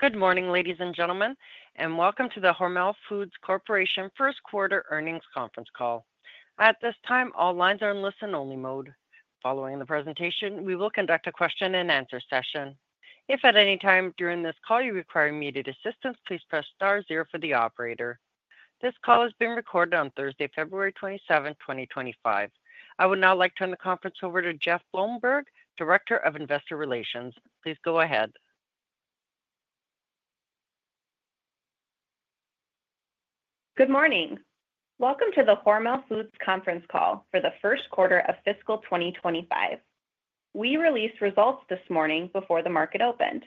Good morning, ladies and gentlemen, and welcome to the Hormel Foods Corporation First Quarter Earnings Conference Call. At this time, all lines are in listen-only mode. Following the presentation, we will conduct a question-and-answer session. If at any time during this call you require immediate assistance, please press star zero for the operator. This call is being recorded on Thursday, February 27, 2025. I would now like to turn the conference over to Jess Blomberg, Director of Investor Relations. Please go ahead. Good morning. Welcome to the Hormel Foods Conference Call for the first quarter of fiscal 2025. We released results this morning before the market opened.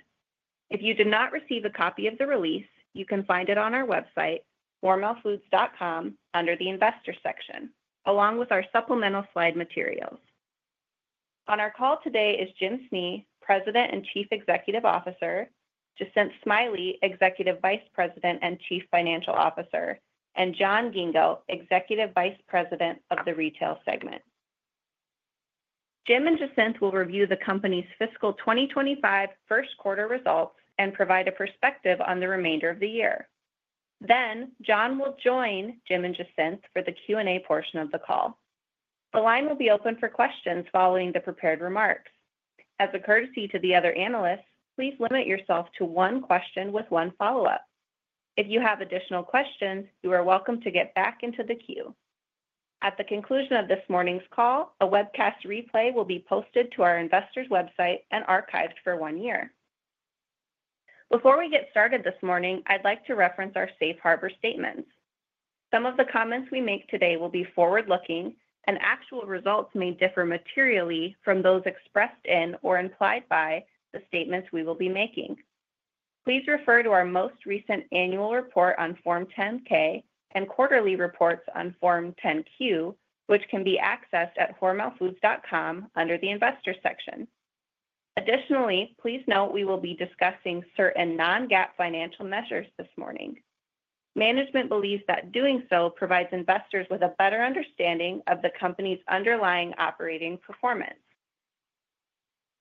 If you did not receive a copy of the release, you can find it on our website, hormelfoods.com, under the Investor section, along with our supplemental slide materials. On our call today is Jim Snee, President and Chief Executive Officer, Jacinth Smiley, Executive Vice President and Chief Financial Officer, and John Ghingo, Executive Vice President of the Retail Segment. Jim and Jacinth will review the company's fiscal 2025 first quarter results and provide a perspective on the remainder of the year. Then John will join Jim and Jacinth for the Q&A portion of the call. The line will be open for questions following the prepared remarks. As a courtesy to the other analysts, please limit yourself to one question with one follow-up. If you have additional questions, you are welcome to get back into the queue. At the conclusion of this morning's call, a webcast replay will be posted to our investors' website and archived for one year. Before we get started this morning, I'd like to reference our safe harbor statements. Some of the comments we make today will be forward-looking, and actual results may differ materially from those expressed in or implied by the statements we will be making. Please refer to our most recent annual report on Form 10-K and quarterly reports on Form 10-Q, which can be accessed at hormelfoods.com under the Investor section. Additionally, please note we will be discussing certain non-GAAP financial measures this morning. Management believes that doing so provides investors with a better understanding of the company's underlying operating performance.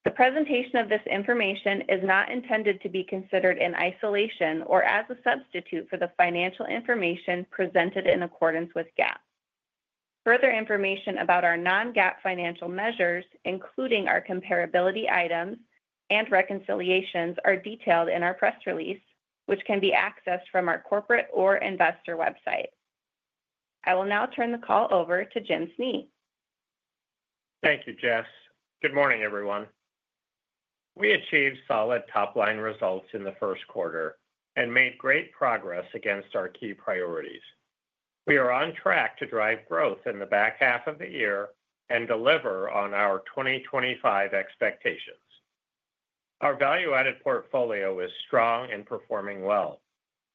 The presentation of this information is not intended to be considered in isolation or as a substitute for the financial information presented in accordance with GAAP. Further information about our non-GAAP financial measures, including our comparability items and reconciliations, are detailed in our press release, which can be accessed from our corporate or investor website. I will now turn the call over to Jim Snee. Thank you, Jess. Good morning, everyone. We achieved solid top-line results in the first quarter and made great progress against our key priorities. We are on track to drive growth in the back half of the year and deliver on our 2025 expectations. Our value-added portfolio is strong and performing well,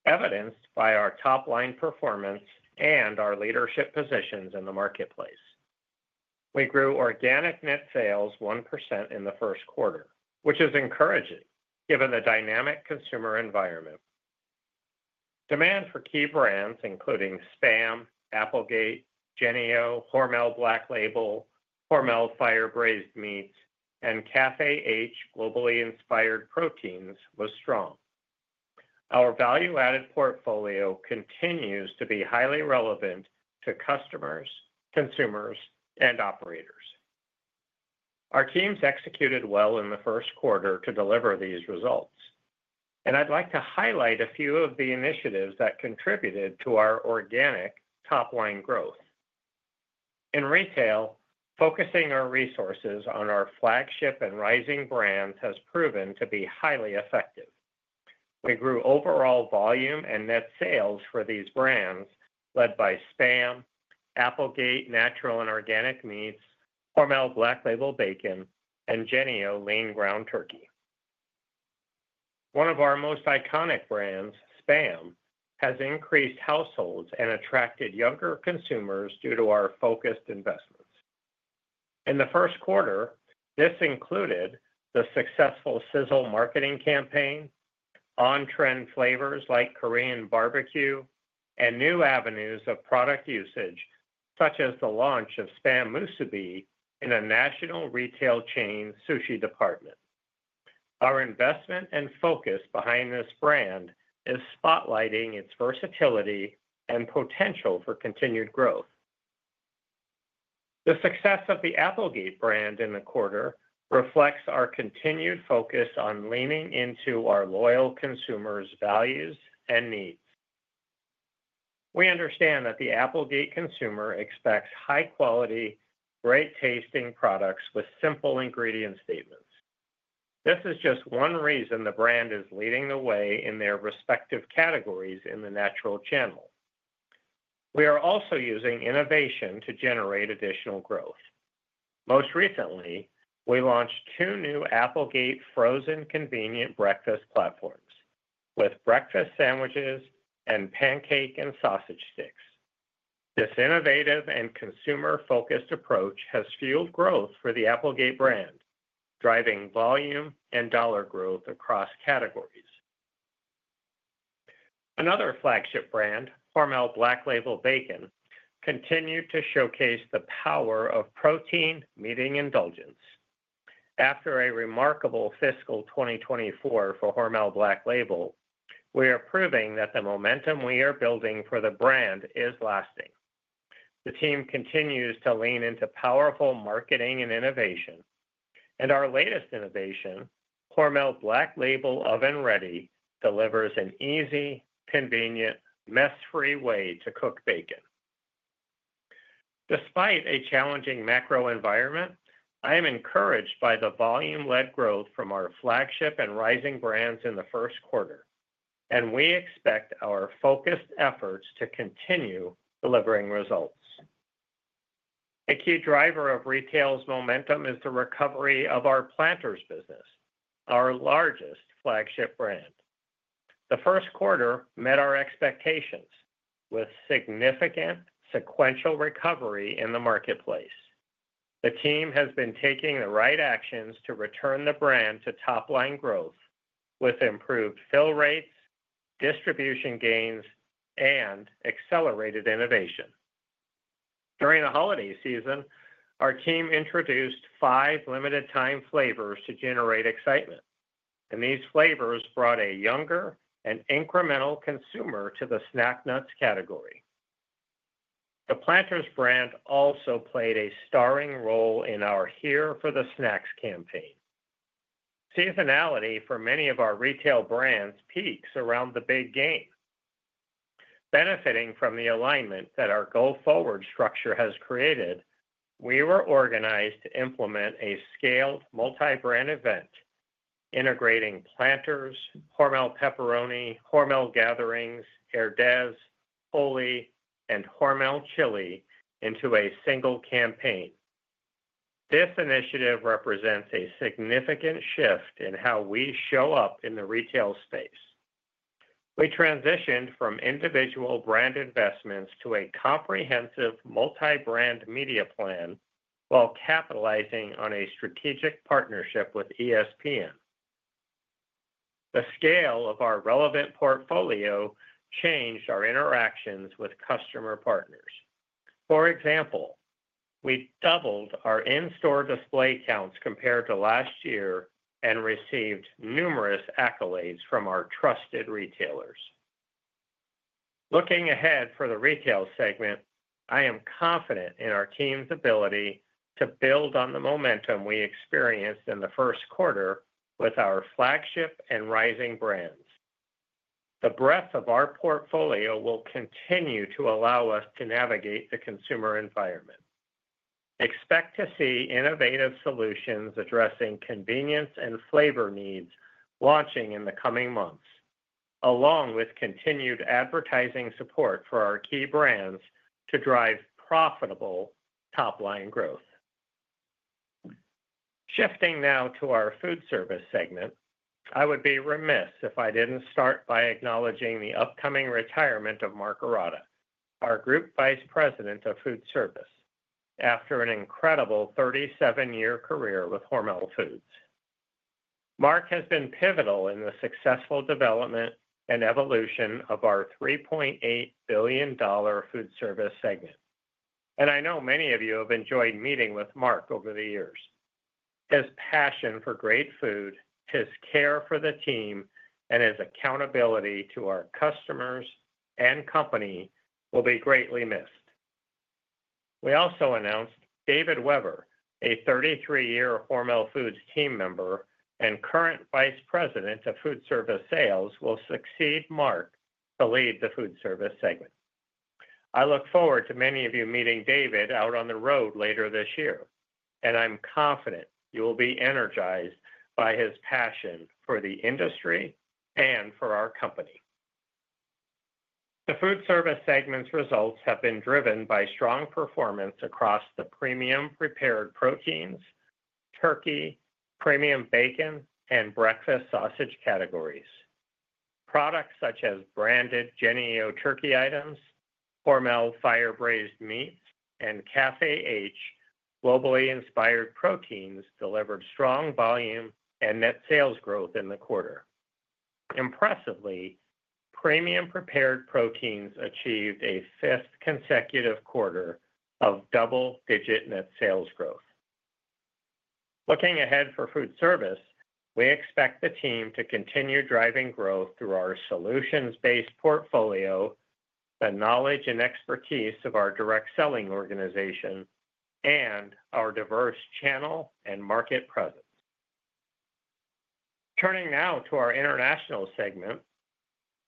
evidenced by our top-line performance and our leadership positions in the marketplace. We grew organic net sales 1% in the first quarter, which is encouraging given the dynamic consumer environment. Demand for key brands, including SPAM, Applegate, Jennie-O, Hormel Black Label, Hormel Fire Braised meats, and Café H Globally Inspired Proteins, was strong. Our value-added portfolio continues to be highly relevant to customers, consumers, and operators. Our teams executed well in the first quarter to deliver these results, and I'd like to highlight a few of the initiatives that contributed to our organic top-line growth. In Retail, focusing our resources on our flagship and rising brands has proven to be highly effective. We grew overall volume and net sales for these brands led by SPAM, Applegate Natural and Organic Meats, Hormel Black Label Bacon, and Jennie-O Lean Ground Turkey. One of our most iconic brands, SPAM, has increased households and attracted younger consumers due to our focused investments. In the first quarter, this included the successful Sizzle marketing campaign, on-trend flavors like Korean barbecue, and new avenues of product usage, such as the launch of SPAM Musubi in a national retail chain sushi department. Our investment and focus behind this brand is spotlighting its versatility and potential for continued growth. The success of the Applegate brand in the quarter reflects our continued focus on leaning into our loyal consumers' values and needs. We understand that the Applegate consumer expects high-quality, great-tasting products with simple ingredient statements. This is just one reason the brand is leading the way in their respective categories in the natural channel. We are also using innovation to generate additional growth. Most recently, we launched two new Applegate frozen convenient breakfast platforms with breakfast sandwiches and pancake and sausage sticks. This innovative and consumer-focused approach has fueled growth for the Applegate brand, driving volume and dollar growth across categories. Another flagship brand, Hormel Black Label Bacon, continued to showcase the power of protein-meeting indulgence. After a remarkable fiscal 2024 for Hormel Black Label, we are proving that the momentum we are building for the brand is lasting. The team continues to lean into powerful marketing and innovation, and our latest innovation, Hormel Black Label, OVEN READY, delivers an easy, convenient, mess-free way to cook bacon. Despite a challenging macro environment, I am encouraged by the volume-led growth from our flagship and rising brands in the first quarter, and we expect our focused efforts to continue delivering results. A key driver of Retail's momentum is the recovery of our Planters business, our largest flagship brand. The first quarter met our expectations with significant sequential recovery in the marketplace. The team has been taking the right actions to return the brand to top-line growth with improved fill rates, distribution gains, and accelerated innovation. During the holiday season, our team introduced five limited-time flavors to generate excitement, and these flavors brought a younger and incremental consumer to the snack nuts category. The Planters brand also played a starring role in our Here for the Snacks campaign. Seasonality for many of our Retail brands peaks around the big game. Benefiting from the alignment that our go forward structure has created, we were organized to implement a scaled multi-brand event integrating Planters, Hormel Pepperoni, Hormel Gatherings, Herdez, Wholly, and Hormel Chili into a single campaign. This initiative represents a significant shift in how we show up in the Retail space. We transitioned from individual brand investments to a comprehensive multi-brand media plan while capitalizing on a strategic partnership with ESPN. The scale of our relevant portfolio changed our interactions with customer partners. For example, we doubled our in-store display counts compared to last year and received numerous accolades from our trusted retailers. Looking ahead for the Retail segment, I am confident in our team's ability to build on the momentum we experienced in the first quarter with our flagship and rising brands. The breadth of our portfolio will continue to allow us to navigate the consumer environment. Expect to see innovative solutions addressing convenience and flavor needs launching in the coming months, along with continued advertising support for our key brands to drive profitable top-line growth. Shifting now to our Foodservice segment, I would be remiss if I didn't start by acknowledging the upcoming retirement of Mark Ourada, our Group Vice President of Foodservice, after an incredible 37-year career with Hormel Foods. Mark has been pivotal in the successful development and evolution of our $3.8 billion Foodservice segment, and I know many of you have enjoyed meeting with Mark over the years. His passion for great food, his care for the team, and his accountability to our customers and company will be greatly missed. We also announced David Weber, a 33-year Hormel Foods team member and current vice president of Foodservice sales, will succeed Mark to lead the Foodservice segment. I look forward to many of you meeting David out on the road later this year, and I'm confident you will be energized by his passion for the industry and for our company. The foodservice segment's results have been driven by strong performance across the premium prepared proteins, turkey, premium bacon, and breakfast sausage categories. Products such as branded Jennie-O turkey items, Hormel Fire Braised meats, and Café H Globally Inspired Proteins delivered strong volume and net sales growth in the quarter. Impressively, premium prepared proteins achieved a fifth consecutive quarter of double-digit net sales growth. Looking ahead for foodservice, we expect the team to continue driving growth through our solutions-based portfolio, the knowledge and expertise of our direct selling organization, and our diverse channel and market presence. Turning now to our international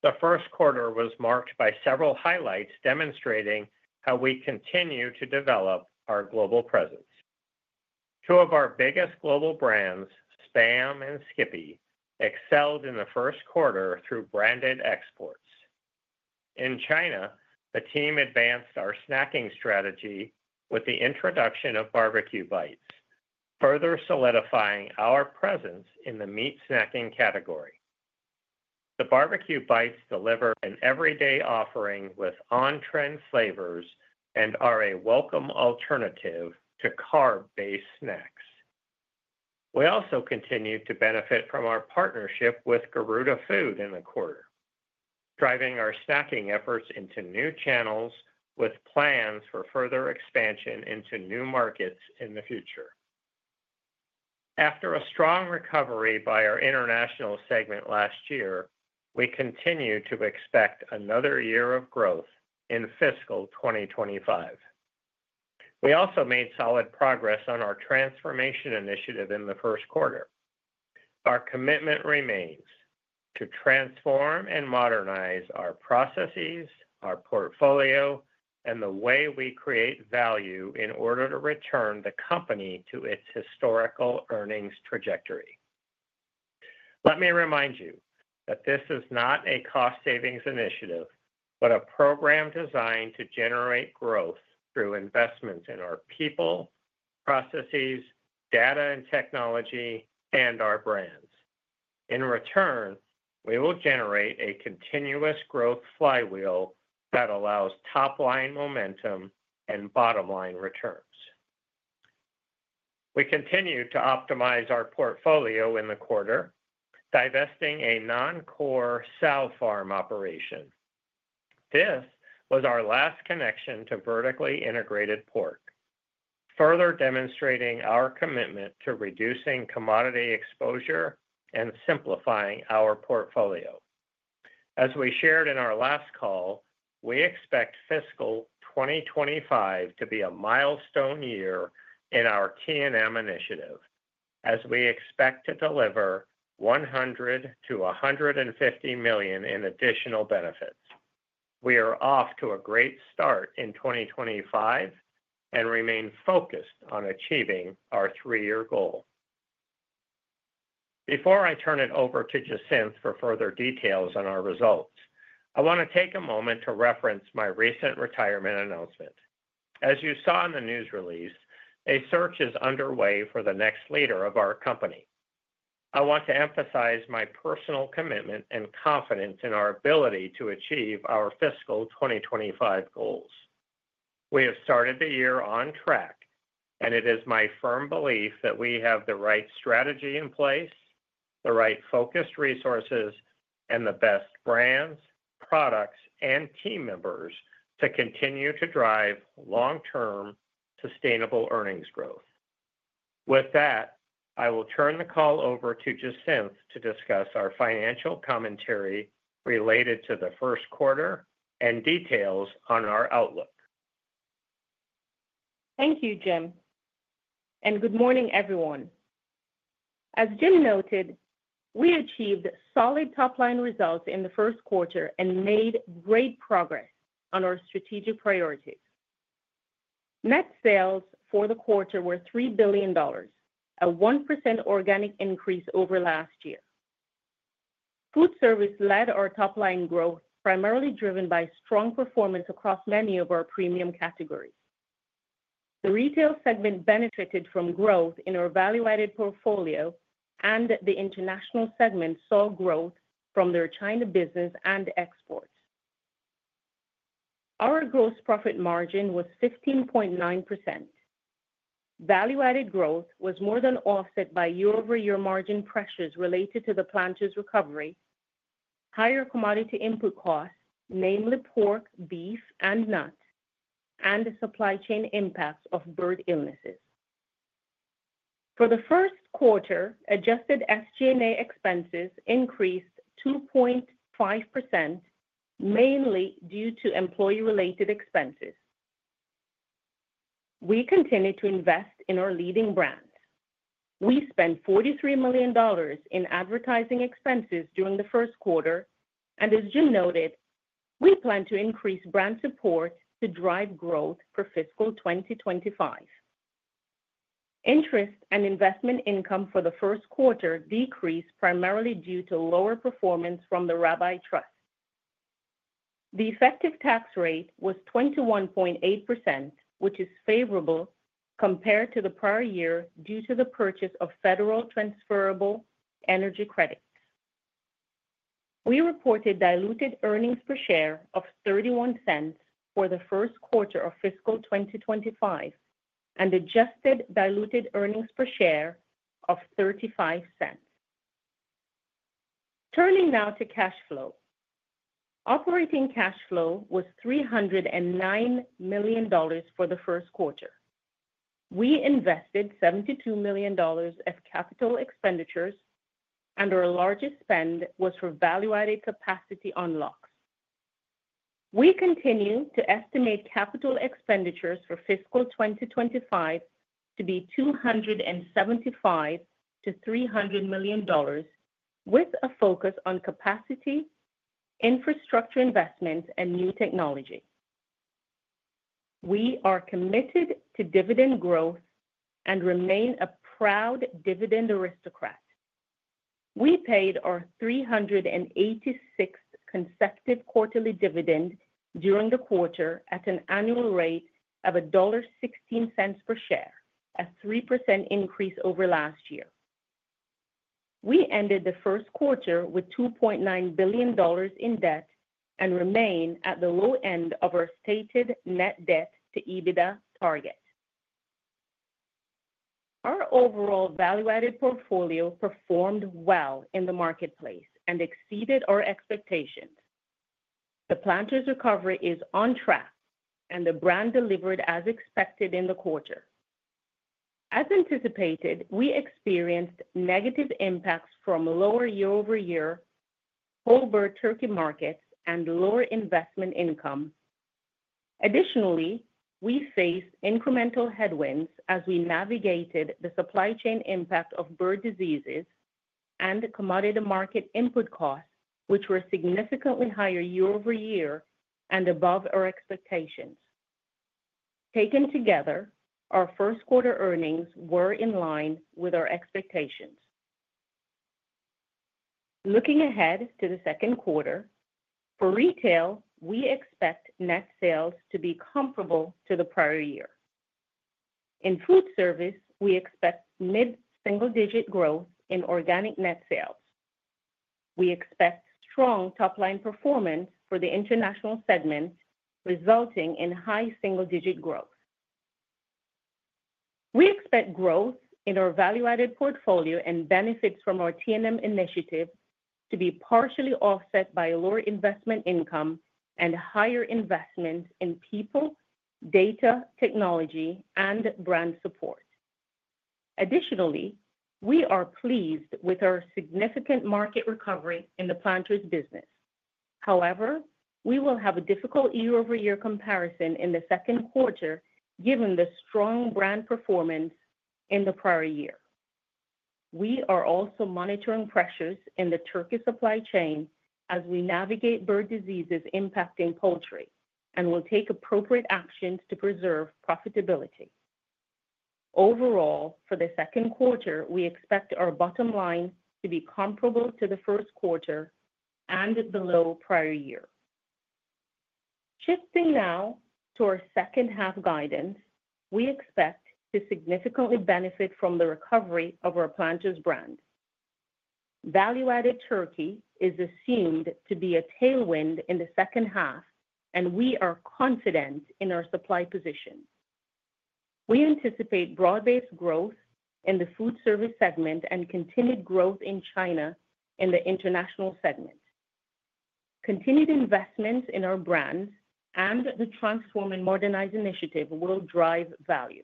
segment, the first quarter was marked by several highlights demonstrating how we continue to develop our global presence. Two of our biggest global brands, SPAM and SKIPPY, excelled in the first quarter through branded exports. In China, the team advanced our snacking strategy with the introduction of barbecue bites, further solidifying our presence in the meat snacking category. The barbecue bites deliver an everyday offering with on-trend flavors and are a welcome alternative to carb-based snacks. We also continue to benefit from our partnership with Garudafood in the quarter, driving our snacking efforts into new channels with plans for further expansion into new markets in the future. After a strong recovery by our international segment last year, we continue to expect another year of growth in fiscal 2025. We also made solid progress on our transformation initiative in the first quarter. Our commitment remains to Transform and Modernize our processes, our portfolio, and the way we create value in order to return the company to its historical earnings trajectory. Let me remind you that this is not a cost-savings initiative, but a program designed to generate growth through investments in our people, processes, data and technology, and our brands. In return, we will generate a continuous growth flywheel that allows top-line momentum and bottom-line returns. We continue to optimize our portfolio in the quarter, divesting a non-core sow farm operation. This was our last connection to vertically integrated pork, further demonstrating our commitment to reducing commodity exposure and simplifying our portfolio. As we shared in our last call, we expect fiscal 2025 to be a milestone year in our T&M initiative, as we expect to deliver $100 million-$150 million in additional benefits. We are off to a great start in 2025 and remain focused on achieving our three-year goal. Before I turn it over to Jacinth for further details on our results, I want to take a moment to reference my recent retirement announcement. As you saw in the news release, a search is underway for the next leader of our company. I want to emphasize my personal commitment and confidence in our ability to achieve our fiscal 2025 goals. We have started the year on track, and it is my firm belief that we have the right strategy in place, the right focused resources, and the best brands, products, and team members to continue to drive long-term sustainable earnings growth. With that, I will turn the call over to Jacinth to discuss our financial commentary related to the first quarter and details on our outlook. Thank you, Jim, and good morning, everyone. As Jim noted, we achieved solid top-line results in the first quarter and made great progress on our strategic priorities. Net sales for the quarter were $3 billion, a 1% organic increase over last year. Foodservice led our top-line growth, primarily driven by strong performance across many of our premium categories. The Retail segment benefited from growth in our value-added portfolio, and the international segment saw growth from their China business and exports. Our gross profit margin was 15.9%. Value-added growth was more than offset by year-over-year margin pressures related to the Planters' recovery, higher commodity input costs, namely pork, beef, and nuts, and the supply chain impacts of bird illnesses. For the first quarter, adjusted SG&A expenses increased 2.5%, mainly due to employee-related expenses. We continue to invest in our leading brands. We spent $43 million in advertising expenses during the first quarter, and as Jim noted, we plan to increase brand support to drive growth for fiscal 2025. Interest and investment income for the first quarter decreased primarily due to lower performance from the Rabbi trust. The effective tax rate was 21.8%, which is favorable compared to the prior year due to the purchase of federal transferable energy credits. We reported diluted earnings per share of $0.31 for the first quarter of fiscal 2025 and adjusted diluted earnings per share of $0.35. Turning now to cash flow. Operating cash flow was $309 million for the first quarter. We invested $72 million of capital expenditures, and our largest spend was for value-added capacity on loins. We continue to estimate capital expenditures for fiscal 2025 to be $275 million-$300 million, with a focus on capacity, infrastructure investments, and new technology. We are committed to dividend growth and remain a proud Dividend Aristocrat. We paid our 386th consecutive quarterly dividend during the quarter at an annual rate of $1.16 per share, a 3% increase over last year. We ended the first quarter with $2.9 billion in debt and remain at the low end of our stated net debt to EBITDA target. Our overall Value-Added portfolio performed well in the marketplace and exceeded our expectations. The Planters' recovery is on track, and the brand delivered as expected in the quarter. As anticipated, we experienced negative impacts from lower year-over-year whole bird turkey markets and lower investment income. Additionally, we faced incremental headwinds as we navigated the supply chain impact of bird diseases and commodity market input costs, which were significantly higher year-over-year and above our expectations. Taken together, our first quarter earnings were in line with our expectations. Looking ahead to the second quarter, for Retail, we expect net sales to be comparable to the prior year. In Foodservice, we expect mid-single-digit growth in organic net sales. We expect strong top-line performance for the international segment, resulting in high single-digit growth. We expect growth in our value-added portfolio and benefits from our T&M initiative to be partially offset by lower investment income and higher investment in people, data, technology, and brand support. Additionally, we are pleased with our significant market recovery in the Planters' business. However, we will have a difficult year-over-year comparison in the second quarter given the strong brand performance in the prior year. We are also monitoring pressures in the turkey supply chain as we navigate bird diseases impacting poultry and will take appropriate actions to preserve profitability. Overall, for the second quarter, we expect our bottom line to be comparable to the first quarter and below prior year. Shifting now to our second-half guidance, we expect to significantly benefit from the recovery of our Planters brand. Value-Added turkey is assumed to be a tailwind in the second half, and we are confident in our supply position. We anticipate broad-based growth in the Foodservice segment and continued growth in China in the International segment. Continued investments in our brands and the Transform and Modernize initiative will drive value.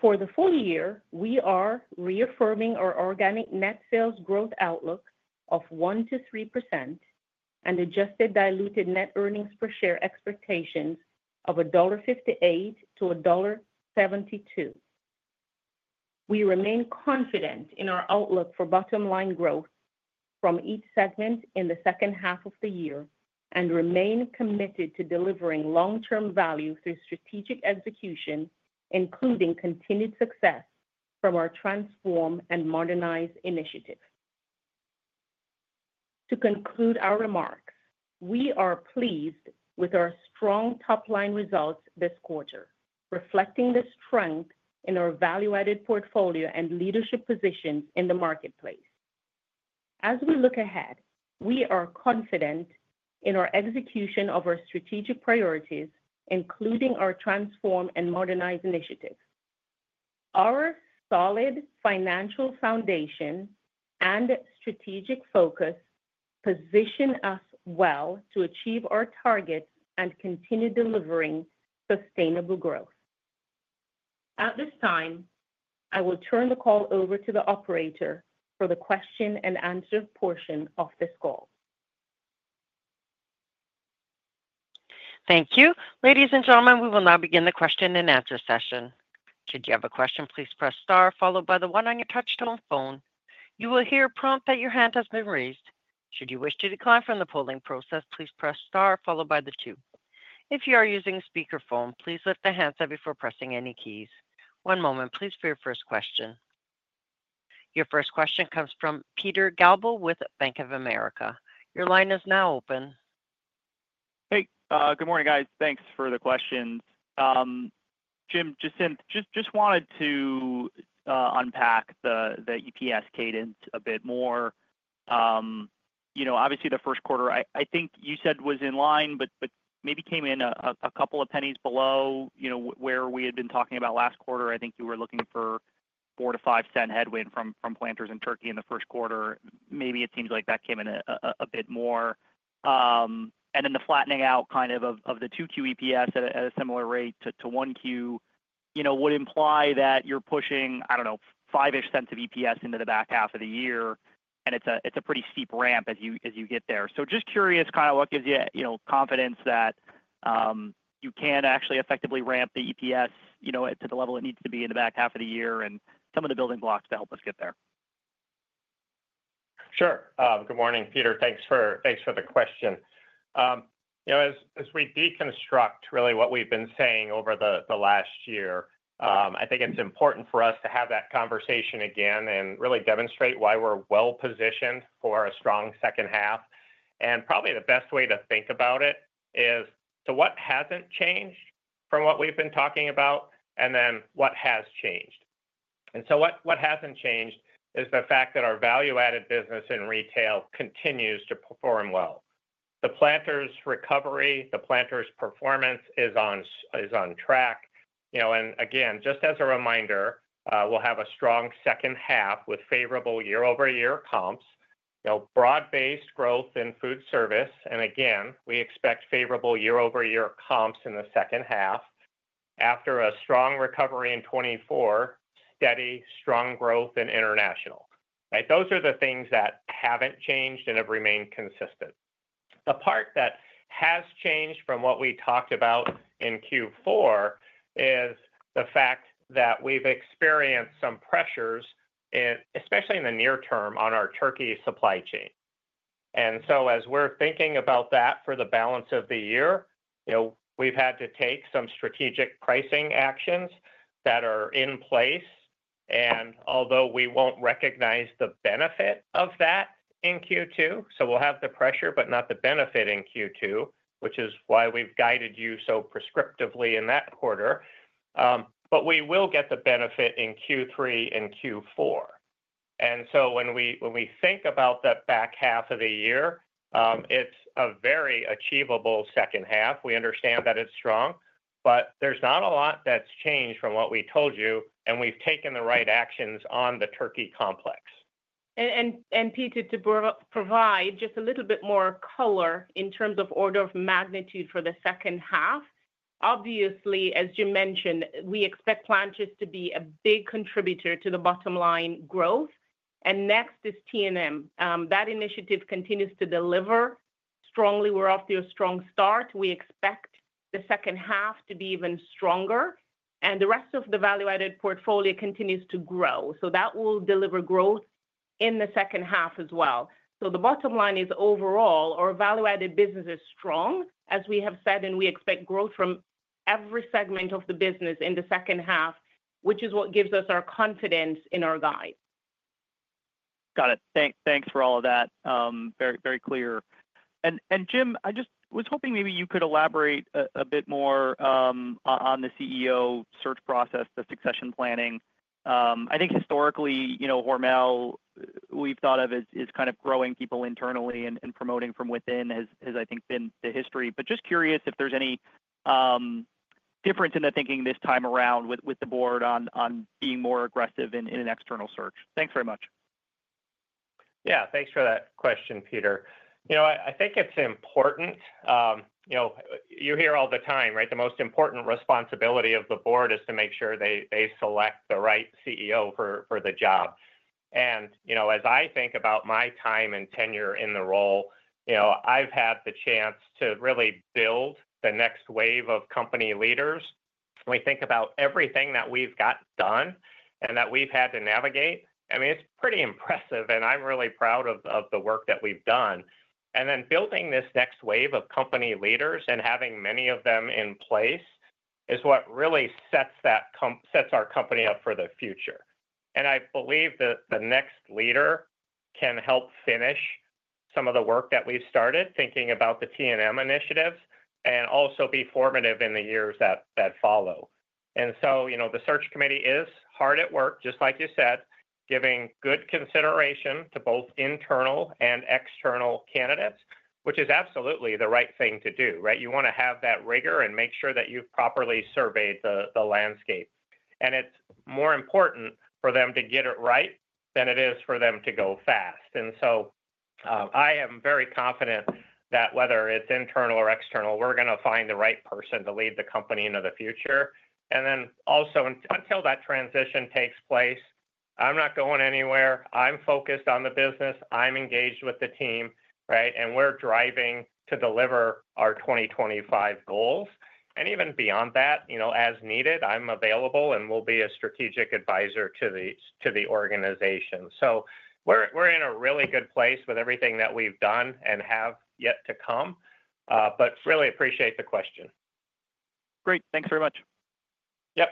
For the full year, we are reaffirming our organic net sales growth outlook of 1%-3% and adjusted diluted net earnings per share expectations of $1.58-$1.72. We remain confident in our outlook for bottom line growth from each segment in the second half of the year and remain committed to delivering long-term value through strategic execution, including continued success from our Transform and Modernize initiative. To conclude our remarks, we are pleased with our strong top-line results this quarter, reflecting the strength in our value-added portfolio and leadership positions in the marketplace. As we look ahead, we are confident in our execution of our strategic priorities, including our Transform and Modernize initiative. Our solid financial foundation and strategic focus position us well to achieve our targets and continue delivering sustainable growth. At this time, I will turn the call over to the operator for the question and answer portion of this call. Thank you. Ladies and gentlemen, we will now begin the question and answer session. Should you have a question, please press star followed by the one on your touch-tone phone. You will hear a prompt that your hand has been raised. Should you wish to decline from the polling process, please press star followed by the two. If you are using speakerphone, please lift the handset before pressing any keys. One moment, please, for your first question. Your first question comes from Peter Galbo with Bank of America. Your line is now open. Hey, good morning, guys. Thanks for the questions. Jim, Jacinth, just wanted to unpack the EPS cadence a bit more. Obviously, the first quarter, I think you said was in line, but maybe came in a couple of pennies below where we had been talking about last quarter. I think you were looking for a $0.04-$0.05 headwind from Planters and turkey in the first quarter. Maybe it seems like that came in a bit more. And then the flattening out kind of of the 2Q EPS at a similar rate to 1Q would imply that you're pushing, I don't know, $0.05 of EPS into the back half of the year, and it's a pretty steep ramp as you get there. So just curious kind of what gives you confidence that you can actually effectively ramp the EPS to the level it needs to be in the back half of the year and some of the building blocks to help us get there. Sure. Good morning, Peter. Thanks for the question. As we deconstruct really what we've been saying over the last year, I think it's important for us to have that conversation again and really demonstrate why we're well-positioned for a strong second half. And probably the best way to think about it is to what hasn't changed from what we've been talking about and then what has changed. And so what hasn't changed is the fact that our value-added business in Retail continues to perform well. The Planters' recovery, the Planters' performance is on track. And again, just as a reminder, we'll have a strong second half with favorable year-over-year comps, broad-based growth in foodservice. And again, we expect favorable year-over-year comps in the second half after a strong recovery in 2024, steady, strong growth in International. Those are the things that haven't changed and have remained consistent. The part that has changed from what we talked about in Q4 is the fact that we've experienced some pressures, especially in the near term, on our turkey supply chain. And so as we're thinking about that for the balance of the year, we've had to take some strategic pricing actions that are in place. And although we won't recognize the benefit of that in Q2, so we'll have the pressure but not the benefit in Q2, which is why we've guided you so prescriptively in that quarter. But we will get the benefit in Q3 and Q4. And so when we think about the back half of the year, it's a very achievable second half. We understand that it's strong, but there's not a lot that's changed from what we told you, and we've taken the right actions on the Turkey complex. And Peter, to provide just a little bit more color in terms of order of magnitude for the second half, obviously, as Jim mentioned, we expect Planters to be a big contributor to the bottom line growth. And next is T&M. That initiative continues to deliver strongly. We're off to a strong start. We expect the second half to be even stronger. And the rest of the value-added portfolio continues to grow. So that will deliver growth in the second half as well. So the bottom line is overall, our value-added business is strong, as we have said, and we expect growth from every segment of the business in the second half, which is what gives us our confidence in our guide. Got it. Thanks for all of that. Very clear. And Jim, I just was hoping maybe you could elaborate a bit more on the CEO search process, the succession planning. I think historically, Hormel, we've thought of as kind of growing people internally and promoting from within has, I think, been the history. But just curious if there's any difference in the thinking this time around with the board on being more aggressive in an external search. Thanks very much. Yeah, thanks for that question, Peter. I think it's important. You hear all the time, right? The most important responsibility of the board is to make sure they select the right CEO for the job. And as I think about my time and tenure in the role, I've had the chance to really build the next wave of company leaders. When we think about everything that we've got done and that we've had to navigate, I mean, it's pretty impressive, and I'm really proud of the work that we've done. And then building this next wave of company leaders and having many of them in place is what really sets our company up for the future. And I believe that the next leader can help finish some of the work that we've started, thinking about the T&M initiatives, and also be formative in the years that follow. And so the search committee is hard at work, just like you said, giving good consideration to both internal and external candidates, which is absolutely the right thing to do, right? You want to have that rigor and make sure that you've properly surveyed the landscape. And it's more important for them to get it right than it is for them to go fast. And so I am very confident that whether it's internal or external, we're going to find the right person to lead the company into the future. And then also, until that transition takes place, I'm not going anywhere. I'm focused on the business. I'm engaged with the team, right? And we're driving to deliver our 2025 goals. And even beyond that, as needed, I'm available and will be a strategic advisor to the organization. We're in a really good place with everything that we've done and have yet to come. But really appreciate the question. Great. Thanks very much. Yep.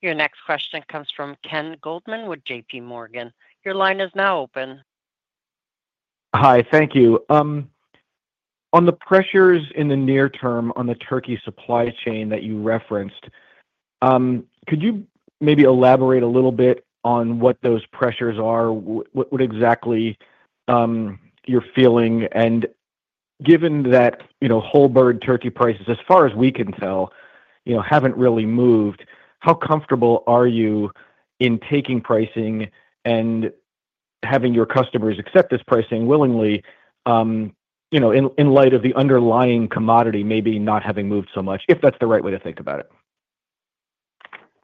Your next question comes from Ken Goldman with JPMorgan. Your line is now open. Hi, thank you. On the pressures in the near term on the turkey supply chain that you referenced, could you maybe elaborate a little bit on what those pressures are, what exactly you're feeling? Given that whole bird turkey prices, as far as we can tell, haven't really moved, how comfortable are you in taking pricing and having your customers accept this pricing willingly in light of the underlying commodity maybe not having moved so much, if that's the right way to think about it?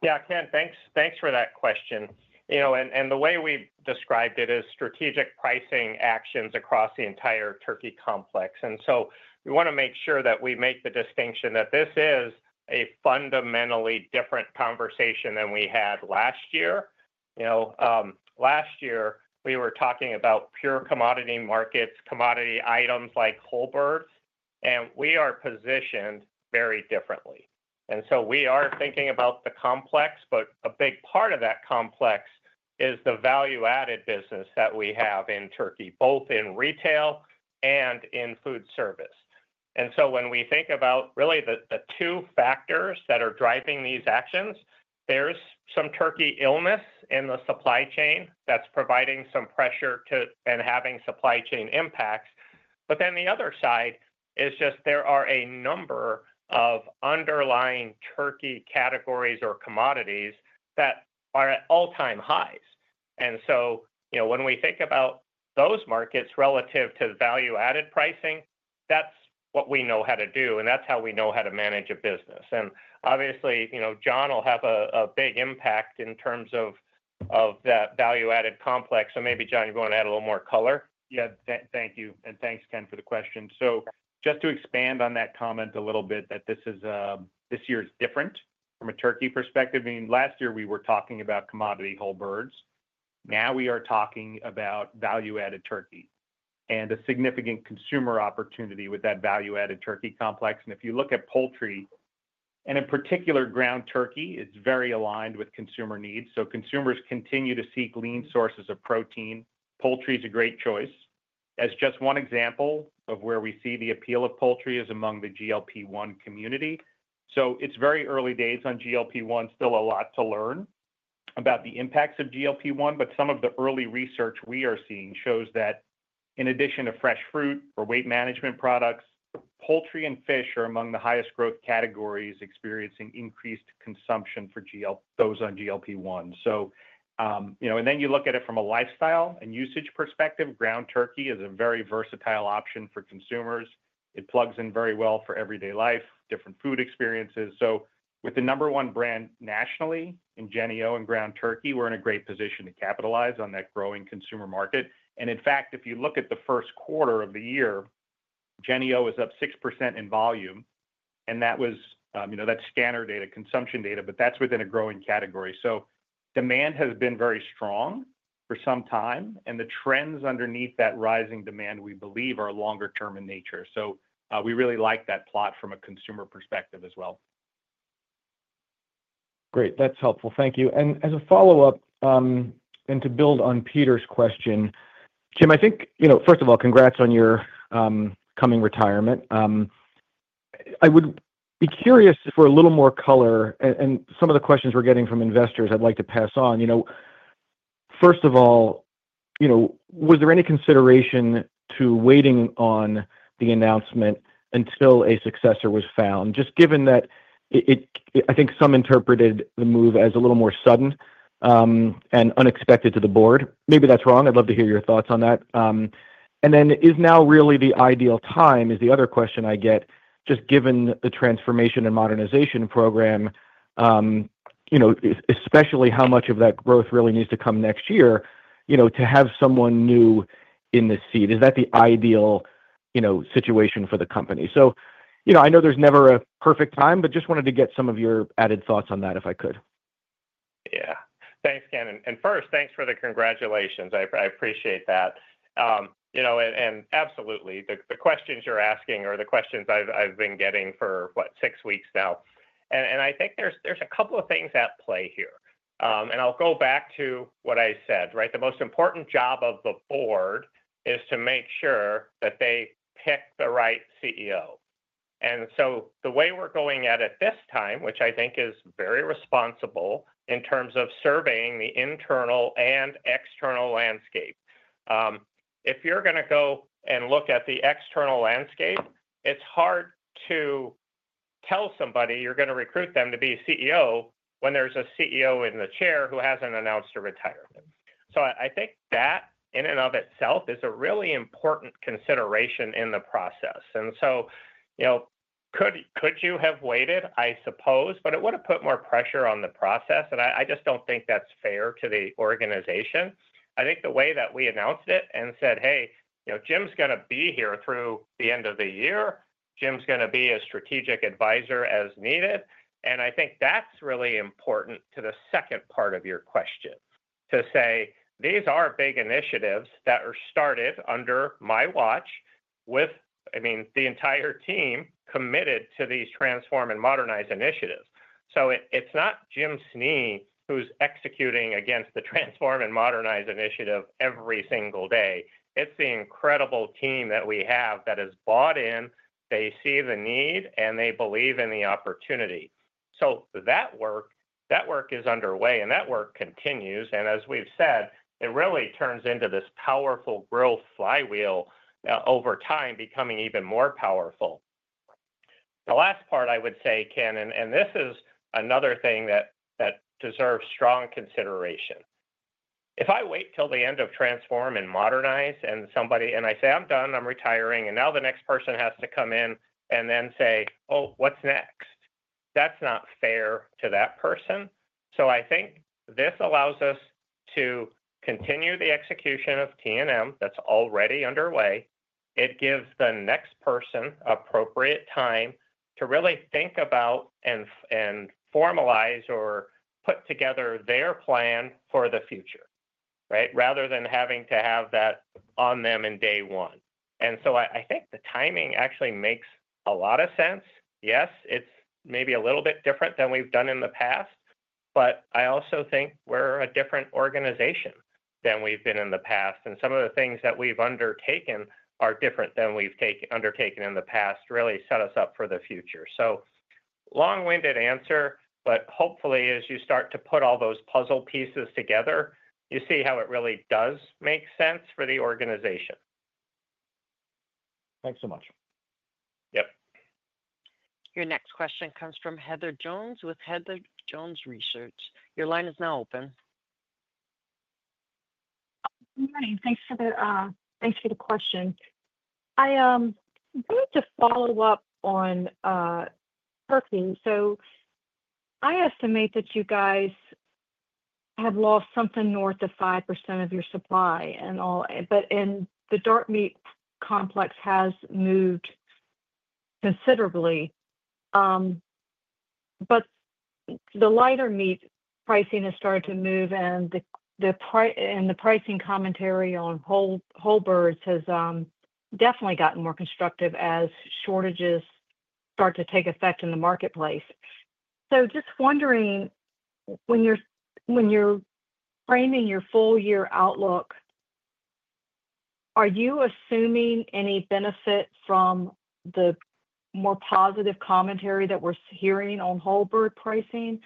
Yeah, Ken, thanks for that question. The way we've described it is strategic pricing actions across the entire turkey complex. We want to make sure that we make the distinction that this is a fundamentally different conversation than we had last year. Last year, we were talking about pure commodity markets, commodity items like whole birds, and we are positioned very differently. We are thinking about the complex, but a big part of that complex is the value-added business that we have in turkey, both in Retail and in Foodservice. And so when we think about really the two factors that are driving these actions, there's some turkey illness in the supply chain that's providing some pressure and having supply chain impacts. But then the other side is just there are a number of underlying turkey categories or commodities that are at all-time highs. And so when we think about those markets relative to value-added pricing, that's what we know how to do, and that's how we know how to manage a business. And obviously, John will have a big impact in terms of that value-added complex. So maybe, John, you want to add a little more color? Yeah, thank you. And thanks, Ken, for the question. So just to expand on that comment a little bit, that this year is different from a turkey perspective. I mean, last year, we were talking about commodity whole birds. Now we are talking about value-added turkey and a significant consumer opportunity with that value-added turkey complex, and if you look at poultry, and in particular, ground turkey, it's very aligned with consumer needs, so consumers continue to seek lean sources of protein. Poultry is a great choice. As just one example of where we see the appeal of poultry is among the GLP-1 community, so it's very early days on GLP-1, still a lot to learn about the impacts of GLP-1, but some of the early research we are seeing shows that in addition to fresh fruit or weight management products, poultry and fish are among the highest growth categories experiencing increased consumption for those on GLP-1, so then you look at it from a lifestyle and usage perspective, ground turkey is a very versatile option for consumers. It plugs in very well for everyday life, different food experiences. With the number one brand nationally in Jennie-O and ground turkey, we're in a great position to capitalize on that growing consumer market. And in fact, if you look at the first quarter of the year, Jennie-O is up 6% in volume, and that's scanner data, consumption data, but that's within a growing category. So demand has been very strong for some time, and the trends underneath that rising demand, we believe, are longer-term in nature. So we really like that slot from a consumer perspective as well. Great. That's helpful. Thank you. And as a follow-up, and to build on Peter's question, Jim, I think, first of all, congrats on your coming retirement. I would be curious for a little more color, and some of the questions we're getting from investors, I'd like to pass on. First of all, was there any consideration to waiting on the announcement until a successor was found? Just given that I think some interpreted the move as a little more sudden and unexpected to the board. Maybe that's wrong. I'd love to hear your thoughts on that. And then is now really the ideal time, is the other question I get, just given the transformation and modernization program, especially how much of that growth really needs to come next year, to have someone new in the seat? Is that the ideal situation for the company? So I know there's never a perfect time, but just wanted to get some of your added thoughts on that if I could. Yeah. Thanks, Ken. And first, thanks for the congratulations. I appreciate that. And absolutely, the questions you're asking are the questions I've been getting for, what, six weeks now. And I think there's a couple of things at play here. And I'll go back to what I said, right? The most important job of the board is to make sure that they pick the right CEO. And so the way we're going at it this time, which I think is very responsible in terms of surveying the internal and external landscape. If you're going to go and look at the external landscape, it's hard to tell somebody you're going to recruit them to be CEO when there's a CEO in the chair who hasn't announced a retirement. I think that in and of itself is a really important consideration in the process. And so could you have waited, I suppose, but it would have put more pressure on the process. And I just don't think that's fair to the organization. I think the way that we announced it and said, "Hey, Jim's going to be here through the end of the year. Jim's going to be a strategic advisor as needed." And I think that's really important to the second part of your question to say, "These are big initiatives that are started under my watch with, I mean, the entire team committed to these Transform and Modernize initiatives." So it's not Jim Snee who's executing against the Transform and Modernize initiative every single day. It's the incredible team that we have that has bought in. They see the need, and they believe in the opportunity. So that work is underway, and that work continues. And as we've said, it really turns into this powerful growth flywheel over time, becoming even more powerful. The last part, I would say, Ken, and this is another thing that deserves strong consideration. If I wait till the end of Transform and Modernize and I say, "I'm done. I'm retiring," and now the next person has to come in and then say, "Oh, what's next?" That's not fair to that person. So I think this allows us to continue the execution of T&M that's already underway. It gives the next person appropriate time to really think about and formalize or put together their plan for the future, right, rather than having to have that on them in day one. And so I think the timing actually makes a lot of sense. Yes, it's maybe a little bit different than we've done in the past, but I also think we're a different organization than we've been in the past. And some of the things that we've undertaken are different than we've undertaken in the past, really set us up for the future. So long-winded answer, but hopefully, as you start to put all those puzzle pieces together, you see how it really does make sense for the organization. Thanks so much. Yep. Your next question comes from Heather Jones with Heather Jones Research. Your line is now open. Good morning. Thanks for the question. I wanted to follow up on turkey. So I estimate that you guys have lost something north of 5% of your supply, but the dark meat complex has moved considerably. But the lighter meat pricing has started to move, and the pricing commentary on whole birds has definitely gotten more constructive as shortages start to take effect in the marketplace. So just wondering, when you're framing your full-year outlook, are you assuming any benefit from the more positive commentary that we're hearing on whole bird pricing,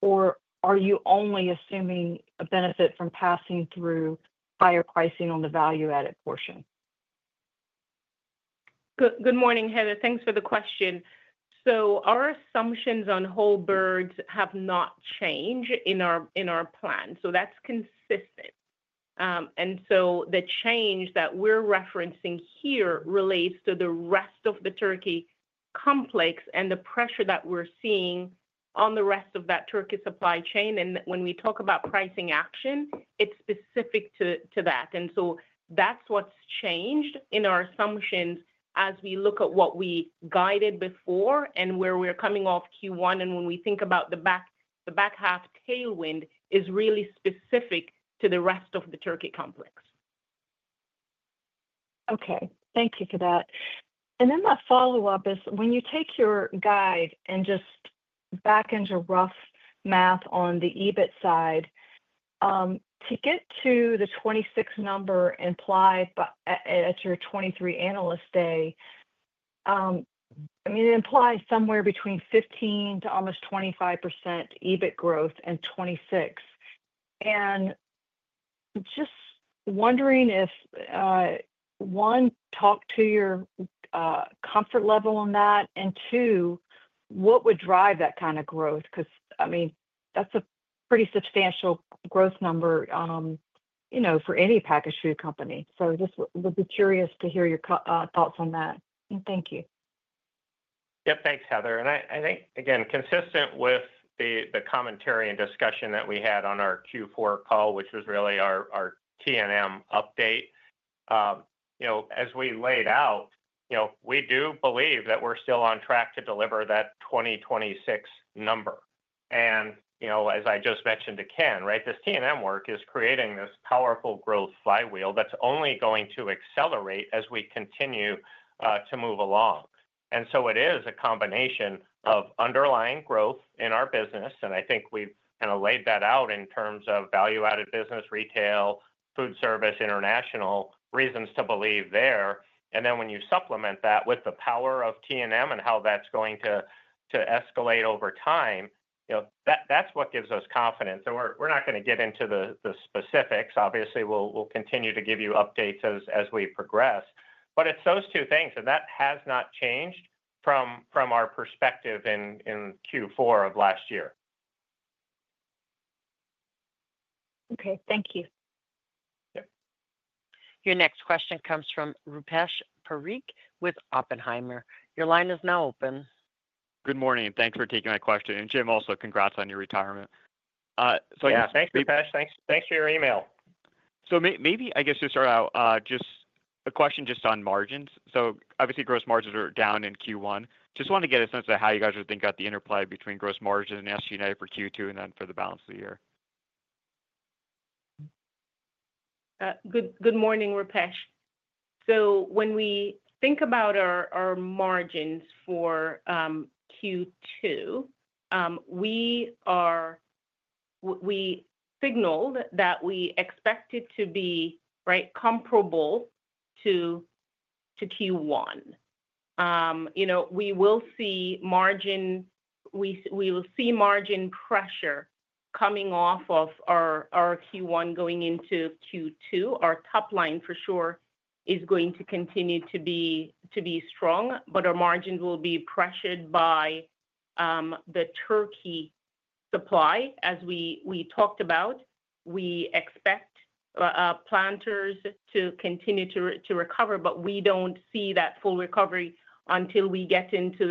or are you only assuming a benefit from passing through higher pricing on the value-added portion? Good morning, Heather. Thanks for the question. So our assumptions on whole birds have not changed in our plan. So that's consistent. And so the change that we're referencing here relates to the rest of the turkey complex and the pressure that we're seeing on the rest of that turkey supply chain. And when we talk about pricing action, it's specific to that. And so that's what's changed in our assumptions as we look at what we guided before and where we're coming off Q1. And when we think about the back half tailwind, it is really specific to the rest of the turkey complex. Okay. Thank you for that. And then the follow-up is, when you take your guide and just back into rough math on the EBIT side, to get to the 2026 number implied at your 2023 Analyst Day, I mean, it implies somewhere between 15% to almost 25% EBIT growth in 2026.And just wondering if, one, talk to your comfort level on that, and two, what would drive that kind of growth? Because, I mean, that's a pretty substantial growth number for any packaged food company. So I just would be curious to hear your thoughts on that. And thank you. Yep. Thanks, Heather. And I think, again, consistent with the commentary and discussion that we had on our Q4 call, which was really our T&M update, as we laid out, we do believe that we're still on track to deliver that 2026 number. As I just mentioned to Ken, right, this T&M work is creating this powerful growth flywheel that's only going to accelerate as we continue to move along. So it is a combination of underlying growth in our business. I think we've kind of laid that out in terms of Value-Added business, Retail, Foodservice, international, reasons to believe there. Then when you supplement that with the power of T&M and how that's going to escalate over time, that's what gives us confidence. We're not going to get into the specifics. Obviously, we'll continue to give you updates as we progress. But it's those two things, and that has not changed from our perspective in Q4 of last year. Okay. Thank you. Your next question comes from Rupesh Parikh with Oppenheimer. Your line is now open. Good morning. Thanks for taking my question. And Jim, also, congrats on your retirement. So yeah. Thanks, Rupesh. Thanks for your email. So maybe, I guess, to start out, just a question just on margins. So obviously, gross margins are down in Q1. Just wanted to get a sense of how you guys are thinking about the interplay between gross margin and SG&A for Q2 and then for the balance of the year. Good morning, Rupesh. So when we think about our margins for Q2, we signaled that we expected to be comparable to Q1. We will see margin pressure coming off of our Q1 going into Q2. Our top line, for sure, is going to continue to be strong, but our margins will be pressured by the turkey supply. As we talked about, we expect Planters to continue to recover, but we don't see that full recovery until we get into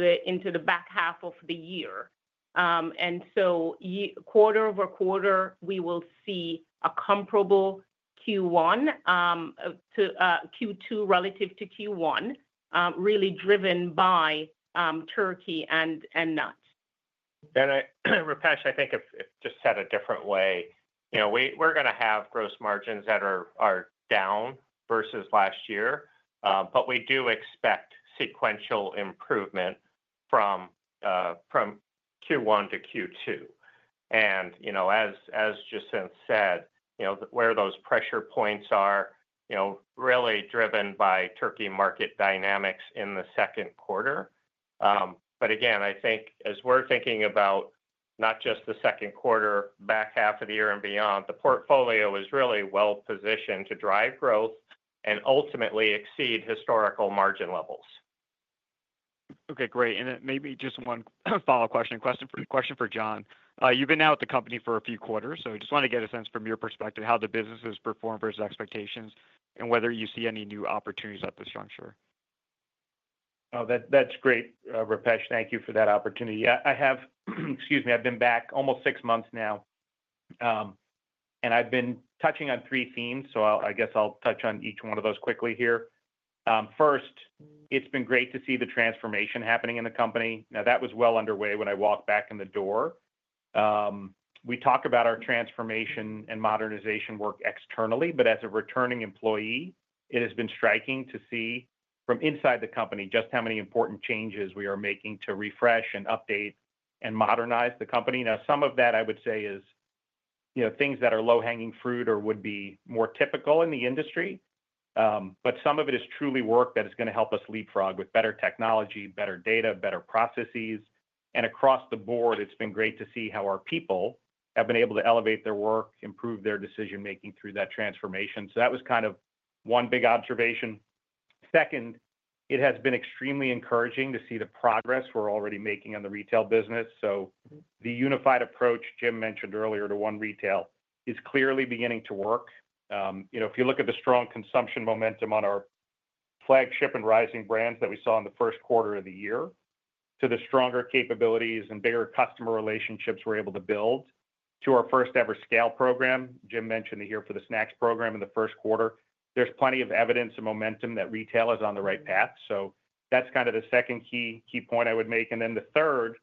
the back half of the year. And so quarter over quarter, we will see a comparable Q1 to Q2 relative to Q1, really driven by turkey and nuts. And Rupesh, I think if I just said a different way, we're going to have gross margins that are down versus last year, but we do expect sequential improvement from Q1 to Q2. And as Jacinth said, where those pressure points are really driven by turkey market dynamics in the second quarter. But again, I think as we're thinking about not just the second quarter, back half of the year and beyond, the portfolio is really well positioned to drive growth and ultimately exceed historical margin levels. Okay. Great. And then maybe just one follow-up question for John. You've been now at the company for a few quarters, so I just wanted to get a sense from your perspective how the business has performed versus expectations and whether you see any new opportunities at this juncture. Oh, that's great, Rupesh. Thank you for that opportunity. Excuse me. I've been back almost six months now, and I've been touching on three themes, so I guess I'll touch on each one of those quickly here. First, it's been great to see the transformation happening in the company. Now, that was well underway when I walked back in the door. We talk about our transformation and modernization work externally, but as a returning employee, it has been striking to see from inside the company just how many important changes we are making to refresh and update and modernize the company. Now, some of that, I would say, is things that are low-hanging fruit or would be more typical in the industry, but some of it is truly work that is going to help us leapfrog with better technology, better data, better processes. And across the board, it's been great to see how our people have been able to elevate their work, improve their decision-making through that transformation. So that was kind of one big observation. Second, it has been extremely encouraging to see the progress we're already making on the Retail business. So the unified approach Jim mentioned earlier to One Retail is clearly beginning to work. If you look at the strong consumption momentum on our flagship and rising brands that we saw in the first quarter of the year, to the stronger capabilities and bigger customer relationships we're able to build, to our first-ever scale program, Jim mentioned Here for the Snacks program in the first quarter, there's plenty of evidence and momentum that Retail is on the right path. So that's kind of the second key point I would make. And then the third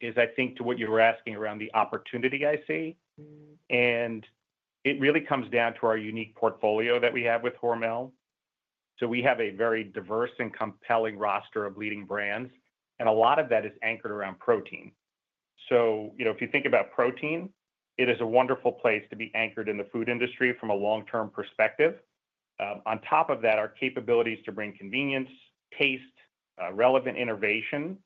is, I think, to what you were asking around the opportunity I see. And it really comes down to our unique portfolio that we have with Hormel. We have a very diverse and compelling roster of leading brands, and a lot of that is anchored around protein. So if you think about protein, it is a wonderful place to be anchored in the food industry from a long-term perspective. On top of that, our capabilities to bring convenience, taste, relevant innovation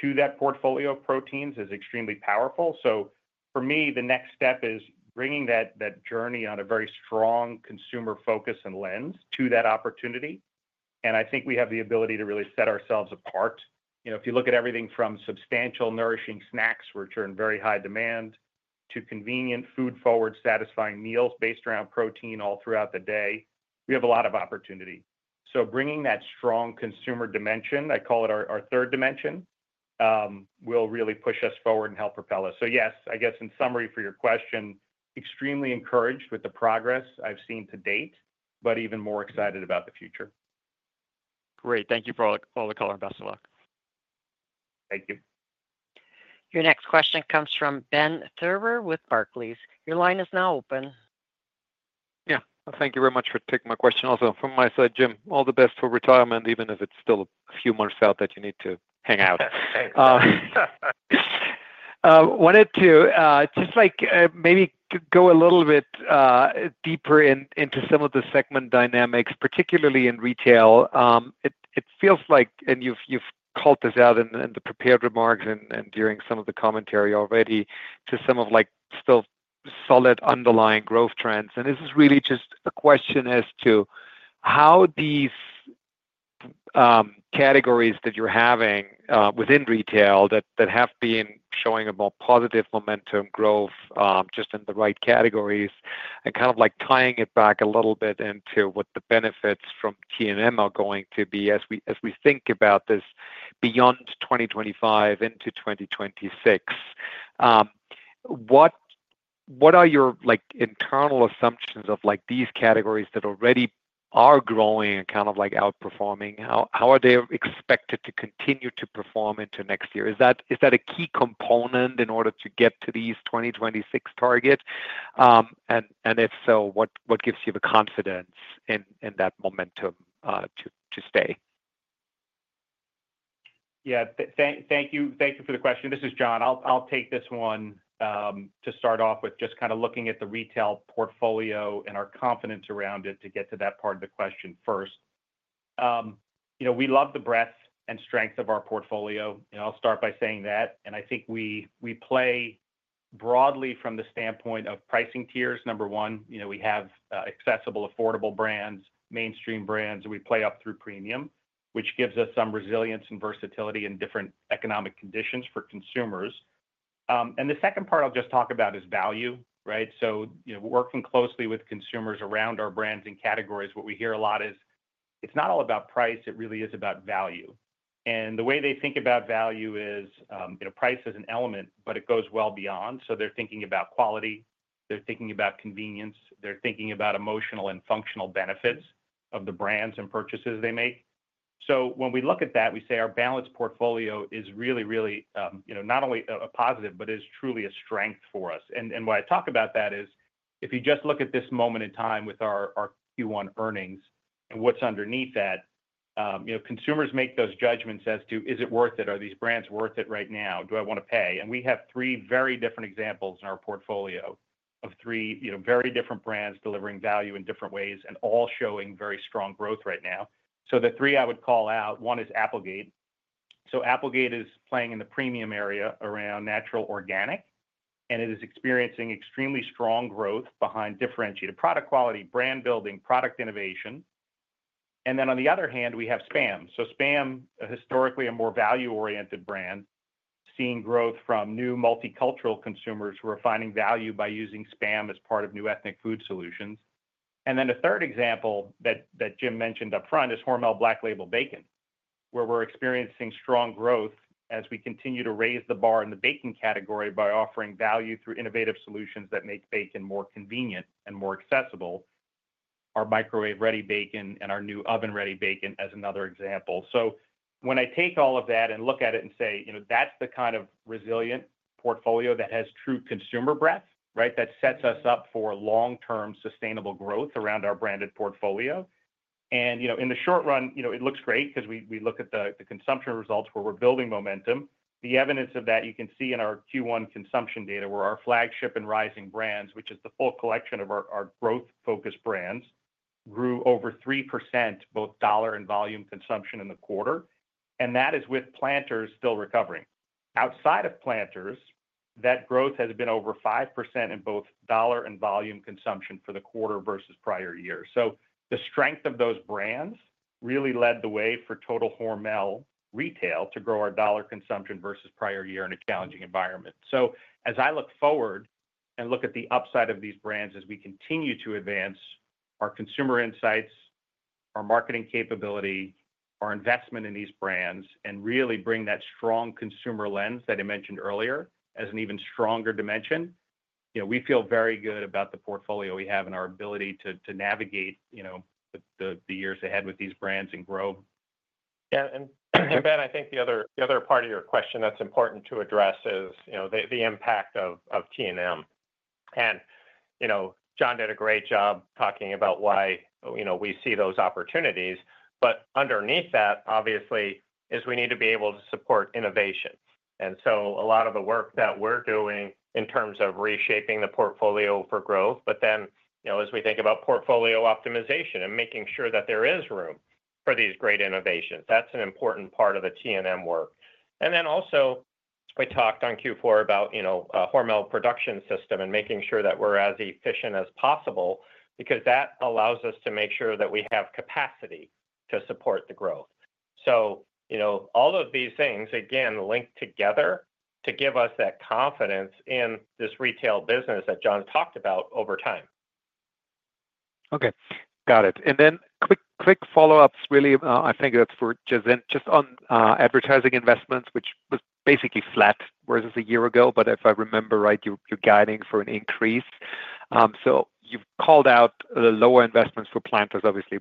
to that portfolio of proteins is extremely powerful. So for me, the next step is bringing that journey on a very strong consumer-focused lens to that opportunity. And I think we have the ability to really set ourselves apart. If you look at everything from substantial nourishing snacks, which are in very high demand, to convenient food-forward satisfying meals based around protein all throughout the day, we have a lot of opportunity. So bringing that strong consumer dimension, I call it our third dimension, will really push us forward and help propel us. So yes, I guess in summary for your question, extremely encouraged with the progress I've seen to date, but even more excited about the future. Great. Thank you for all the color and best of luck. Thank you. Your next question comes from Ben Theurer with Barclays. Your line is now open. Yeah. Thank you very much for taking my question. Also, from my side, Jim, all the best for retirement, even if it's still a few months out that you need to hang out. Wanted to just maybe go a little bit deeper into some of the segment dynamics, particularly in Retail. It feels like, and you've called this out in the prepared remarks and during some of the commentary already, to some of still solid underlying growth trends. This is really just a question as to how these categories that you're having within Retail that have been showing a more positive momentum growth just in the right categories and kind of tying it back a little bit into what the benefits from T&M are going to be as we think about this beyond 2025 into 2026. What are your internal assumptions of these categories that already are growing and kind of outperforming? How are they expected to continue to perform into next year? Is that a key component in order to get to these 2026 targets? And if so, what gives you the confidence in that momentum to stay? Yeah. Thank you for the question. This is John. I'll take this one to start off with just kind of looking at the Retail portfolio and our confidence around it to get to that part of the question first. We love the breadth and strength of our portfolio. I'll start by saying that. And I think we play broadly from the standpoint of pricing tiers, number one. We have accessible, affordable brands, mainstream brands, and we play up through premium, which gives us some resilience and versatility in different economic conditions for consumers. And the second part I'll just talk about is value, right? Working closely with consumers around our brands and categories, what we hear a lot is, "It's not all about price. It really is about value." And the way they think about value is price as an element, but it goes well beyond. So they're thinking about quality. They're thinking about convenience. They're thinking about emotional and functional benefits of the brands and purchases they make. So when we look at that, we say our balanced portfolio is really, really not only a positive, but is truly a strength for us. And why I talk about that is if you just look at this moment in time with our Q1 earnings and what's underneath that, consumers make those judgments as to, "Is it worth it? Are these brands worth it right now? Do I want to pay?" And we have three very different examples in our portfolio of three very different brands delivering value in different ways and all showing very strong growth right now. So the three I would call out, one is Applegate. So Applegate is playing in the premium area around natural organic, and it is experiencing extremely strong growth behind differentiated product quality, brand building, product innovation. And then, on the other hand, we have SPAM. So SPAM, historically a more value-oriented brand, seeing growth from new multicultural consumers who are finding value by using SPAM as part of new ethnic food solutions. And then a third example that Jim mentioned upfront is Hormel Black Label Bacon, where we're experiencing strong growth as we continue to raise the bar in the bacon category by offering value through innovative solutions that make bacon more convenient and more accessible. Our microwave-ready bacon and our new oven-ready bacon as another example. So when I take all of that and look at it and say, "That's the kind of resilient portfolio that has true consumer breadth," right, that sets us up for long-term sustainable growth around our branded portfolio. And in the short run, it looks great because we look at the consumption results where we're building momentum. The evidence of that you can see in our Q1 consumption data where our flagship and rising brands, which is the full collection of our growth-focused brands, grew over 3% both dollar and volume consumption in the quarter. And that is with Planters still recovering. Outside of Planters, that growth has been over 5% in both dollar and volume consumption for the quarter versus prior year. So the strength of those brands really led the way for total Hormel Retail to grow our dollar consumption versus prior year in a challenging environment. As I look forward and look at the upside of these brands as we continue to advance our consumer insights, our marketing capability, our investment in these brands, and really bring that strong consumer lens that I mentioned earlier as an even stronger dimension, we feel very good about the portfolio we have and our ability to navigate the years ahead with these brands and grow. Yeah. And Ben, I think the other part of your question that's important to address is the impact of T&M. And John did a great job talking about why we see those opportunities. But underneath that, obviously, is we need to be able to support innovation. And so a lot of the work that we're doing in terms of reshaping the portfolio for growth, but then as we think about portfolio optimization and making sure that there is room for these great innovations, that's an important part of the T&M work. And then also, we talked on Q4 about Hormel Production System and making sure that we're as efficient as possible because that allows us to make sure that we have capacity to support the growth. So all of these things, again, link together to give us that confidence in this Retail business that John talked about over time. Okay. Got it. And then quick follow-ups, really. I think that's for Jacinth. Just on advertising investments, which was basically flat versus a year ago, but if I remember right, you're guiding for an increase. So you've called out the lower investments for Planters, obviously,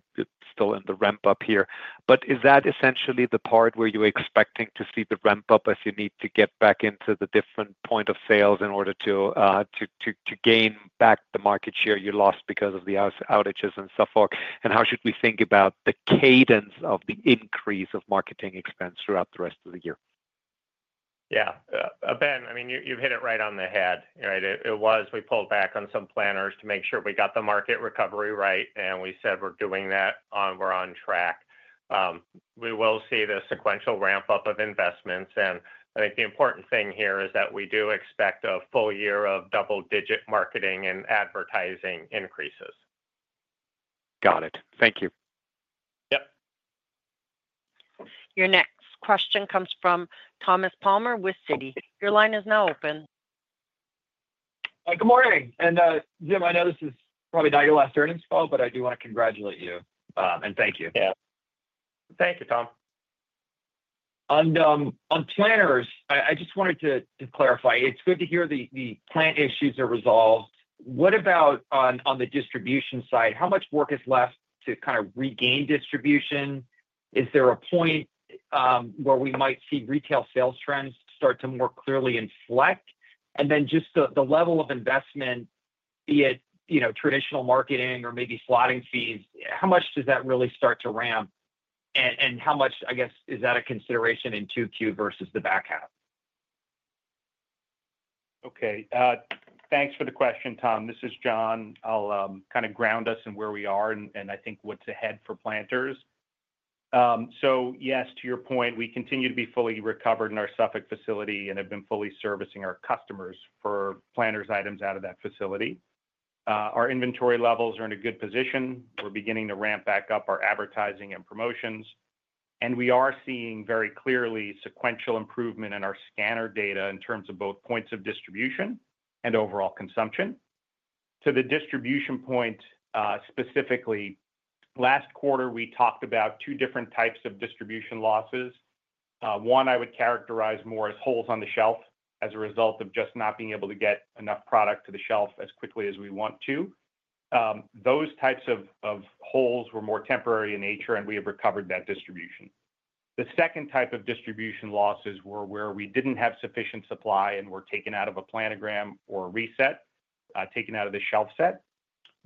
still in the ramp-up here. But is that essentially the part where you're expecting to see the ramp-up as you need to get back into the different point of sales in order to gain back the market share you lost because of the outages and so forth? And how should we think about the cadence of the increase of marketing expense throughout the rest of the year? Yeah. Ben, I mean, you've hit it right on the head, right? It was we pulled back on some Planters to make sure we got the market recovery right, and we said we're doing that. We're on track. We will see the sequential ramp-up of investments. And I think the important thing here is that we do expect a full year of double-digit marketing and advertising increases. Got it. Thank you. Yep. Your next question comes from Thomas Palmer with Citi. Your line is now open. Good morning. And Jim, I know this is probably not your last earnings call, but I do want to congratulate you and thank you again. Thank you, Tom. On Planters, I just wanted to clarify. It's good to hear the plant issues are resolved. What about on the distribution side? How much work is left to kind of regain distribution? Is there a point where we might see Retail sales trends start to more clearly inflect? And then just the level of investment, be it traditional marketing or maybe slotting fees, how much does that really start to ramp? And how much, I guess, is that a consideration in 2Q versus the back half? Okay. Thanks for the question, Tom. This is John. I'll kind of ground us in where we are and I think what's ahead for Planters, so yes, to your point, we continue to be fully recovered in our Suffolk facility and have been fully servicing our customers for Planters' items out of that facility. Our inventory levels are in a good position. We're beginning to ramp back up our advertising and promotions, and we are seeing very clearly sequential improvement in our scanner data in terms of both points of distribution and overall consumption. To the distribution point specifically, last quarter, we talked about two different types of distribution losses. One I would characterize more as holes on the shelf as a result of just not being able to get enough product to the shelf as quickly as we want to. Those types of holes were more temporary in nature, and we have recovered that distribution. The second type of distribution losses were where we didn't have sufficient supply and were taken out of a planogram or a reset, taken out of the shelf set.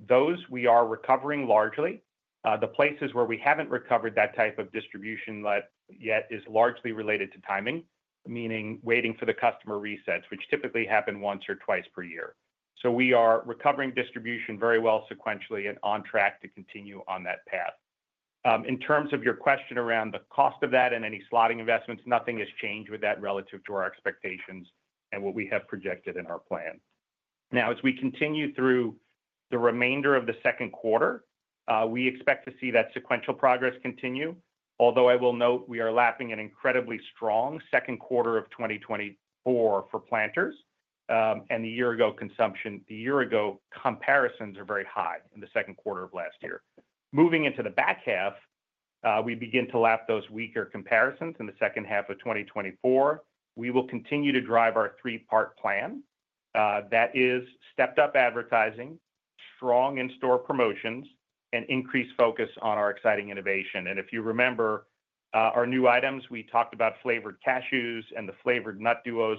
Those we are recovering largely. The places where we haven't recovered that type of distribution yet is largely related to timing, meaning waiting for the customer resets, which typically happen once or twice per year. So we are recovering distribution very well sequentially and on track to continue on that path. In terms of your question around the cost of that and any slotting investments, nothing has changed with that relative to our expectations and what we have projected in our plan. Now, as we continue through the remainder of the second quarter, we expect to see that sequential progress continue. Although I will note we are lapping an incredibly strong second quarter of 2024 for Planters and the year-ago consumption, the year-ago comparisons are very high in the second quarter of last year. Moving into the back half, we begin to lap those weaker comparisons in the second half of 2024. We will continue to drive our three-part plan. That is stepped-up advertising, strong in-store promotions, and increased focus on our exciting innovation. And if you remember our new items, we talked about flavored cashews and the flavored Nut Duos.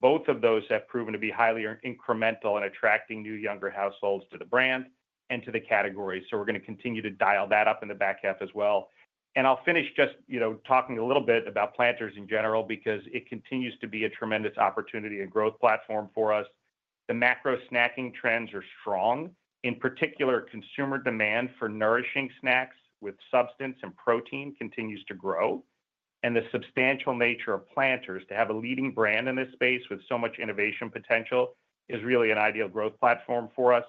Both of those have proven to be highly incremental in attracting new younger households to the brand and to the category. So we're going to continue to dial that up in the back half as well. I'll finish just talking a little bit about Planters in general because it continues to be a tremendous opportunity and growth platform for us. The macro snacking trends are strong. In particular, consumer demand for nourishing snacks with substance and protein continues to grow. The substantial nature of Planters to have a leading brand in this space with so much innovation potential is really an ideal growth platform for us.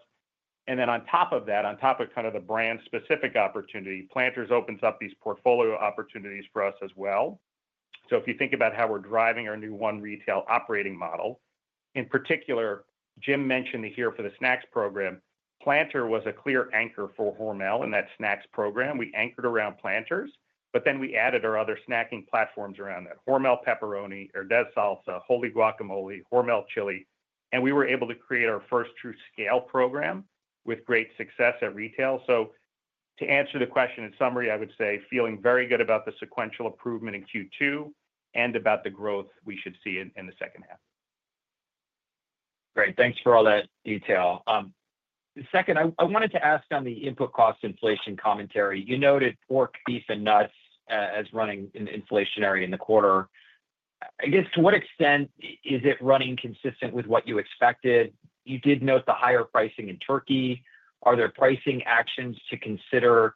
Then on top of that, on top of kind of the brand-specific opportunity, Planters opens up these portfolio opportunities for us as well. If you think about how we're driving our new one retail operating model, in particular, Jim mentioned Here for the Snacks program, Planters was a clear anchor for Hormel in that snacks program. We anchored around Planters, but then we added our other snacking platforms around that: Hormel Pepperoni, Herdez salsa, Wholly Guacamole, Hormel Chili. And we were able to create our first true scale program with great success at Retail. So to answer the question in summary, I would say feeling very good about the sequential improvement in Q2 and about the growth we should see in the second half. Great. Thanks for all that detail. Second, I wanted to ask on the input cost inflation commentary. You noted pork, beef, and nuts as running inflationary in the quarter. I guess to what extent is it running consistent with what you expected? You did note the higher pricing in turkey. Are there pricing actions to consider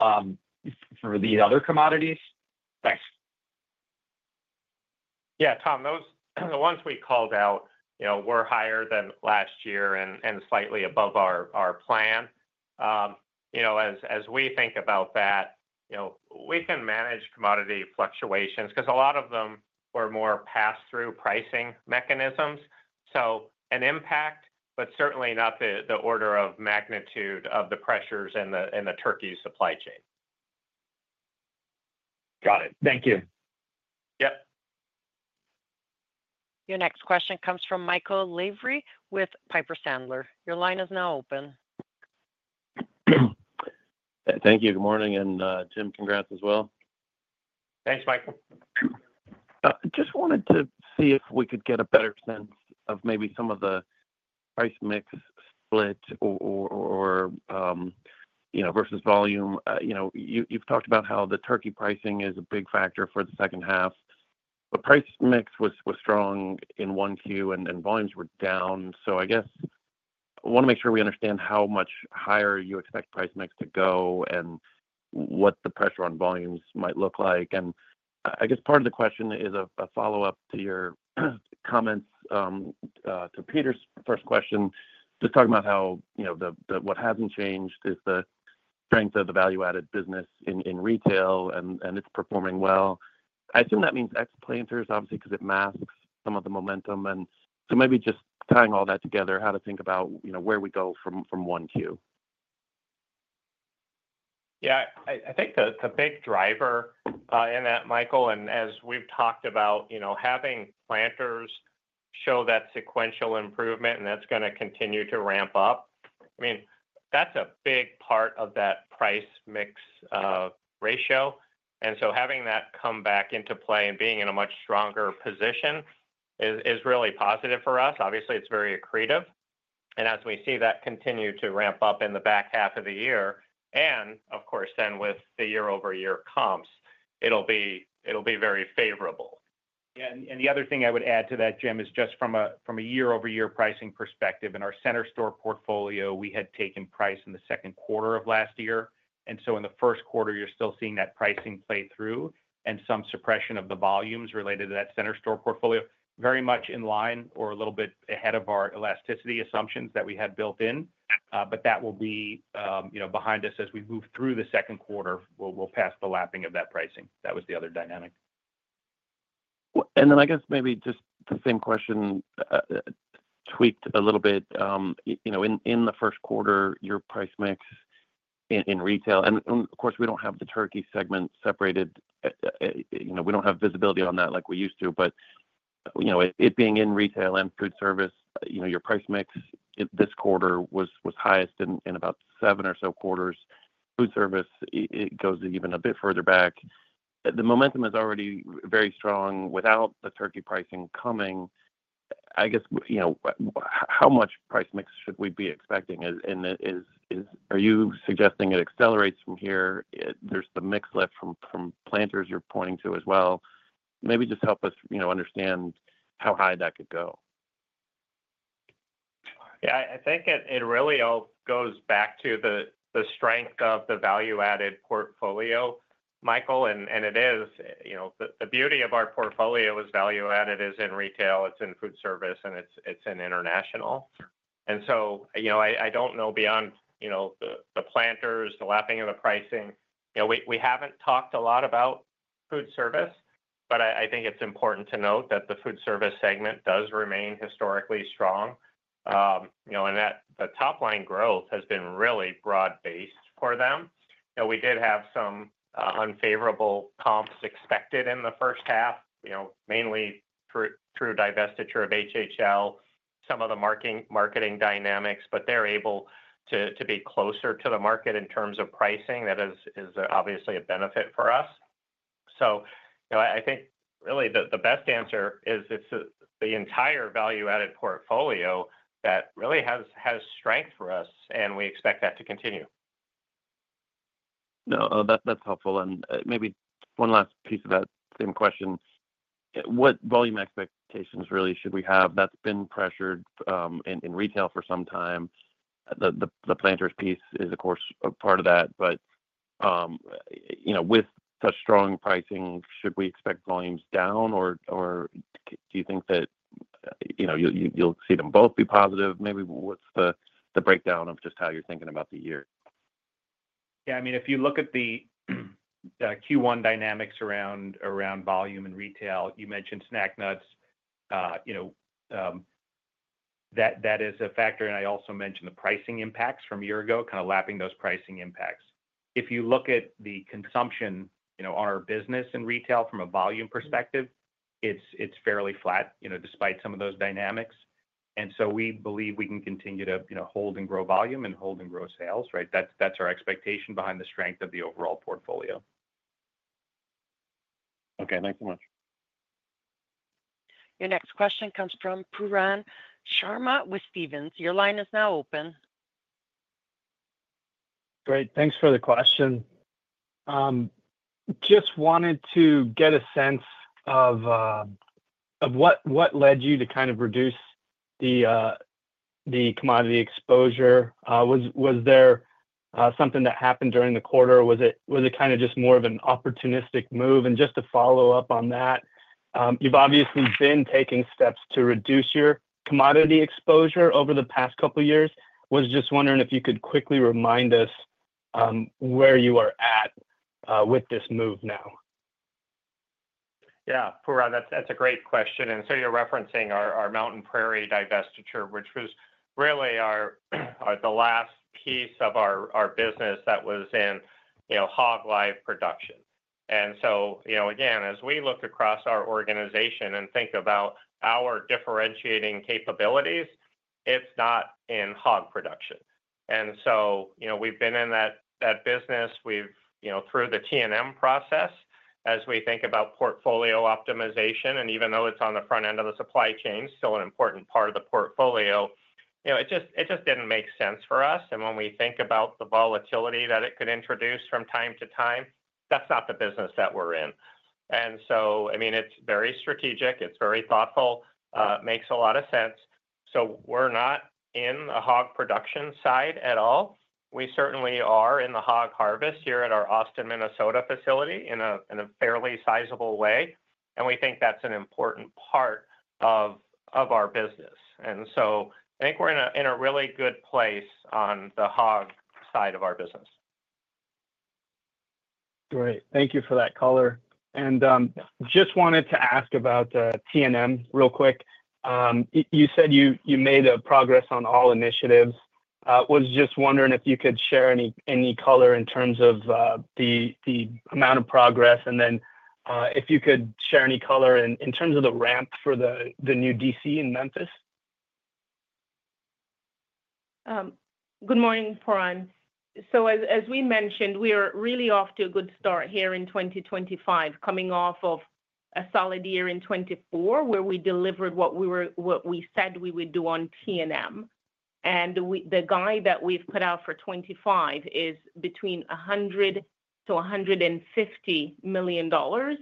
for these other commodities? Thanks. Yeah. Tom, those ones we called out were higher than last year and slightly above our plan. As we think about that, we can manage commodity fluctuations because a lot of them were more pass-through pricing mechanisms. So an impact, but certainly not the order of magnitude of the pressures in the turkey supply chain. Got it. Thank you. Yep. Your next question comes from Michael Lavery with Piper Sandler. Your line is now open. Thank you. Good morning, and Jim, congrats as well. Thanks, Michael. Just wanted to see if we could get a better sense of maybe some of the price mix split versus volume. You've talked about how the turkey pricing is a big factor for the second half. The price mix was strong in 1Q, and volumes were down. I guess I want to make sure we understand how much higher you expect price mix to go and what the pressure on volumes might look like. And I guess part of the question is a follow-up to your comments to Peter's first question, just talking about how what hasn't changed is the strength of the value-added business in Retail, and it's performing well. I assume that means ex-Planters, obviously, because it masks some of the momentum. And so maybe just tying all that together, how to think about where we go from 1Q. Yeah. I think the big driver in that, Michael, and as we've talked about, having Planters show that sequential improvement, and that's going to continue to ramp up. I mean, that's a big part of that price mix ratio. And so having that come back into play and being in a much stronger position is really positive for us. Obviously, it's very accretive. As we see that continue to ramp up in the back half of the year, and of course, then with the year-over-year comps, it'll be very favorable. Yeah, and the other thing I would add to that, Jim, is just from a year-over-year pricing perspective, in our center store portfolio, we had taken price in the second quarter of last year, and so in the first quarter, you're still seeing that pricing play through and some suppression of the volumes related to that center store portfolio, very much in line or a little bit ahead of our elasticity assumptions that we had built in. But that will be behind us as we move through the second quarter. We'll pass the lapping of that pricing. That was the other dynamic. And then I guess maybe just the same question tweaked a little bit. In the first quarter, your price mix in Retail, and of course, we don't have the turkey segment separated. We don't have visibility on that like we used to. But it being in Retail and Foodservice, your price mix this quarter was highest in about seven or so quarters. Foodservice, it goes even a bit further back. The momentum is already very strong without the turkey pricing coming. I guess how much price mix should we be expecting? Are you suggesting it accelerates from here? There's the mix left from Planters you're pointing to as well. Maybe just help us understand how high that could go. Yeah. I think it really all goes back to the strength of the value-added portfolio, Michael. And it is. The beauty of our portfolio is value-added is in Retail. It's in Foodservice, and it's in international. And so I don't know beyond the Planters, the lapping of the pricing. We haven't talked a lot about Foodservice, but I think it's important to note that the Foodservice segment does remain historically strong. And the top-line growth has been really broad-based for them. We did have some unfavorable comps expected in the first half, mainly through divestiture of HHL, some of the marketing dynamics, but they're able to be closer to the market in terms of pricing. That is obviously a benefit for us. So I think really the best answer is it's the entire value-added portfolio that really has strength for us, and we expect that to continue. No, that's helpful. And maybe one last piece of that same question. What volume expectations really should we have? That's been pressured in Retail for some time. The Planters piece is, of course, a part of that. But with such strong pricing, should we expect volumes down, or do you think that you'll see them both be positive? Maybe what's the breakdown of just how you're thinking about the year? Yeah. I mean, if you look at the Q1 dynamics around volume in Retail, you mentioned snack nuts. That is a factor. And I also mentioned the pricing impacts from a year ago, kind of lapping those pricing impacts. If you look at the consumption on our business in Retail from a volume perspective, it's fairly flat despite some of those dynamics. And so we believe we can continue to hold and grow volume and hold and grow sales, right? That's our expectation behind the strength of the overall portfolio. Okay. Thanks so much. Your next question comes from Pooran Sharma with Stephens. Your line is now open. Great. Thanks for the question. Just wanted to get a sense of what led you to kind of reduce the commodity exposure. Was there something that happened during the quarter? Was it kind of just more of an opportunistic move? And just to follow up on that, you've obviously been taking steps to reduce your commodity exposure over the past couple of years. Was just wondering if you could quickly remind us where you are at with this move now. Yeah. Pooran, that's a great question. And so you're referencing our Mountain Prairie divestiture, which was really the last piece of our business that was in hog live production. And so again, as we look across our organization and think about our differentiating capabilities, it's not in hog production. And so we've been in that business through the T&M process as we think about portfolio optimization. And even though it's on the front end of the supply chain, still an important part of the portfolio, it just didn't make sense for us. And when we think about the volatility that it could introduce from time to time, that's not the business that we're in. And so, I mean, it's very strategic. It's very thoughtful. Makes a lot of sense. We're not in the hog production side at all. We certainly are in the hog harvest here at our Austin, Minnesota facility in a fairly sizable way. And we think that's an important part of our business. And so I think we're in a really good place on the hog side of our business. Great. Thank you for that color. And just wanted to ask about T&M real quick. You said you made progress on all initiatives. I was just wondering if you could share any color in terms of the amount of progress, and then if you could share any color in terms of the ramp for the new DC in Memphis. Good morning, Pooran. So as we mentioned, we are really off to a good start here in 2025, coming off of a solid year in 2024 where we delivered what we said we would do on T&M, and the guide that we've put out for 2025 is between $100 million to $150 million,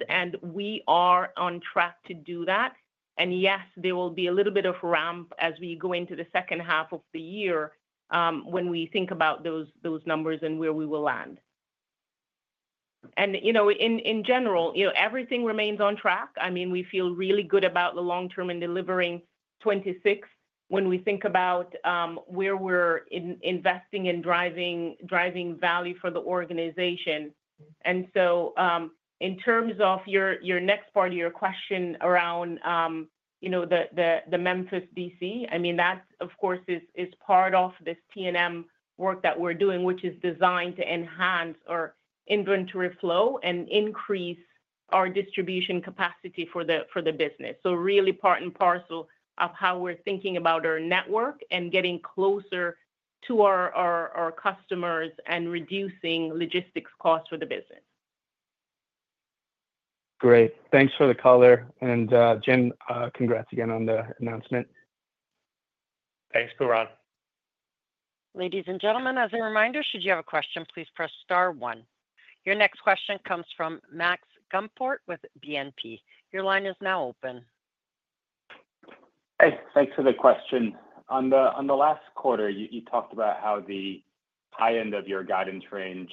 and we are on track to do that, and yes, there will be a little bit of ramp as we go into the second half of the year when we think about those numbers and where we will land, and in general, everything remains on track. I mean, we feel really good about the long-term and delivering 2026 when we think about where we're investing and driving value for the organization. And so in terms of your next part of your question around the Memphis DC, I mean, that, of course, is part of this T&M work that we're doing, which is designed to enhance our inventory flow and increase our distribution capacity for the business. So really part and parcel of how we're thinking about our network and getting closer to our customers and reducing logistics costs for the business. Great. Thanks for the color. And Jim, congrats again on the announcement. Thanks, Pooran. Ladies and gentlemen, as a reminder, should you have a question, please press star one. Your next question comes from Max Gumport with BNP. Your line is now open. Thanks for the question. On the last quarter, you talked about how the high end of your guidance range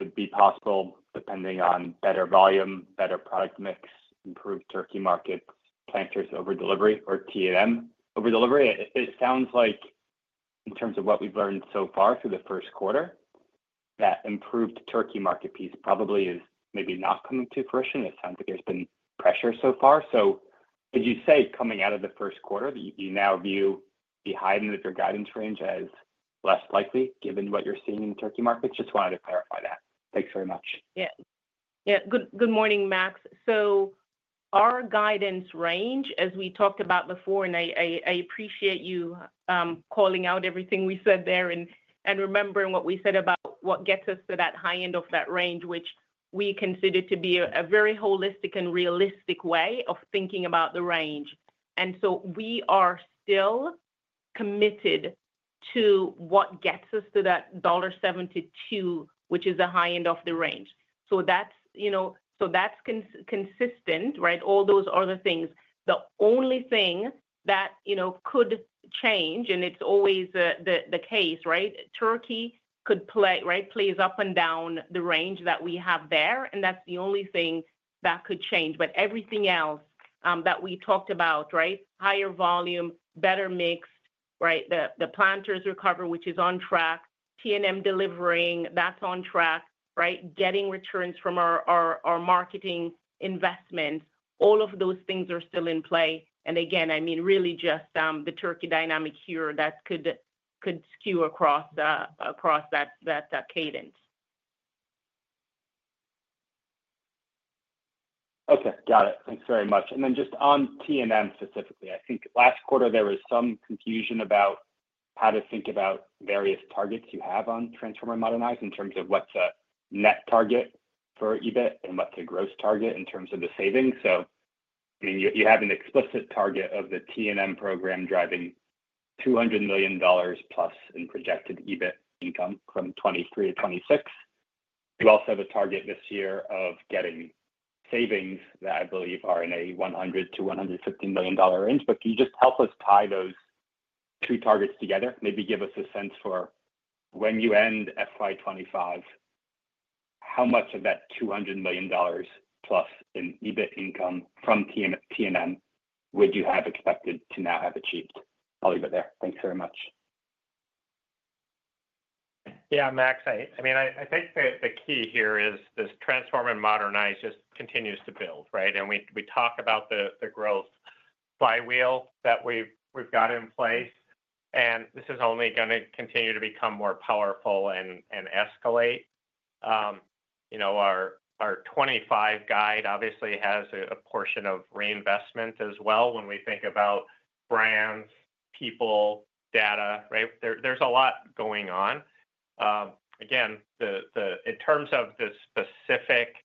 would be possible depending on better volume, better product mix, improved turkey markets, Planters over delivery, or T&M over delivery. It sounds like in terms of what we've learned so far through the first quarter, that improved turkey market piece probably is maybe not coming to fruition. It sounds like there's been pressure so far. So would you say coming out of the first quarter that you now view the high end of your guidance range as less likely given what you're seeing in turkey markets? Just wanted to clarify that. Thanks very much. Yeah. Good morning, Max. So our guidance range, as we talked about before, and I appreciate you calling out everything we said there and remembering what we said about what gets us to that high end of that range, which we consider to be a very holistic and realistic way of thinking about the range. And so we are still committed to what gets us to that $1.72, which is the high end of the range. So that's consistent, right? All those other things. The only thing that could change, and it's always the case, right? Turkey could play, right? Plays up and down the range that we have there. And that's the only thing that could change. But everything else that we talked about, right? Higher volume, better mix, right? The Planters recovery, which is on track. T&M delivering, that's on track, right? Getting returns from our marketing investment. All of those things are still in play. And again, I mean, really just the turkey dynamic here that could skew across that cadence. Okay. Got it. Thanks very much. And then just on T&M specifically, I think last quarter there was some confusion about how to think about various targets you have on Transform and Modernize in terms of what's a net target for EBIT and what's a gross target in terms of the savings. So I mean, you have an explicit target of the T&M program driving $200 million plus in projected EBIT income from 2023 to 2026. You also have a target this year of getting savings that I believe are in a $100 million-$150 million range. But can you just help us tie those two targets together? Maybe give us a sense for when you end FY 2025, how much of that $200 million plus in EBIT income from T&M would you have expected to now have achieved? I'll leave it there. Thanks very much. Yeah, Max. I mean, I think the key here is this Transform and Modernize just continues to build, right? And we talk about the growth flywheel that we've got in place. And this is only going to continue to become more powerful and escalate. Our 2025 guide obviously has a portion of reinvestment as well when we think about brands, people, data, right? There's a lot going on. Again, in terms of the specific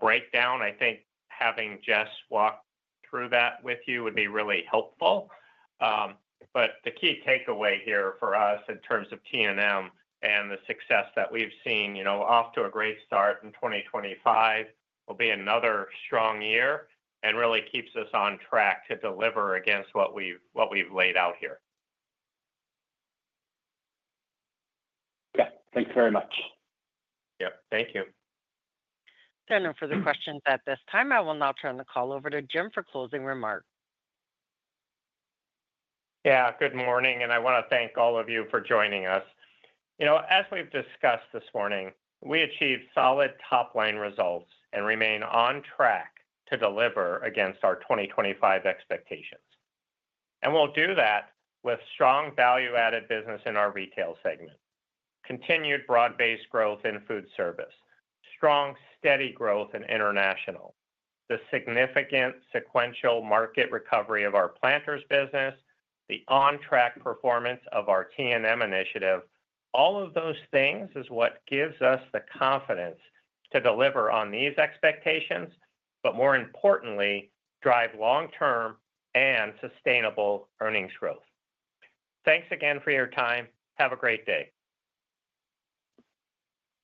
breakdown, I think having Jess walk through that with you would be really helpful. But the key takeaway here for us in terms of T&M and the success that we've seen, off to a great start in 2025 will be another strong year and really keeps us on track to deliver against what we've laid out here. Okay. Thanks very much. Yep. Thank you. Thank you for the questions at this time. I will now turn the call over to Jim for closing remarks. Yeah. Good morning. And I want to thank all of you for joining us. As we've discussed this morning, we achieved solid top-line results and remain on track to deliver against our 2025 expectations. And we'll do that with strong value-added business in our Retail segment, continued broad-based growth in Foodservice, strong steady growth in International, the significant sequential market recovery of our Planters business, the on-track performance of our T&M initiative. All of those things is what gives us the confidence to deliver on these expectations, but more importantly, drive long-term and sustainable earnings growth. Thanks again for your time. Have a great day.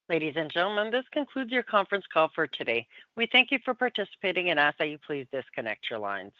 Ladies and gentlemen, this concludes your conference call for today. We thank you for participating and ask that you please disconnect your lines.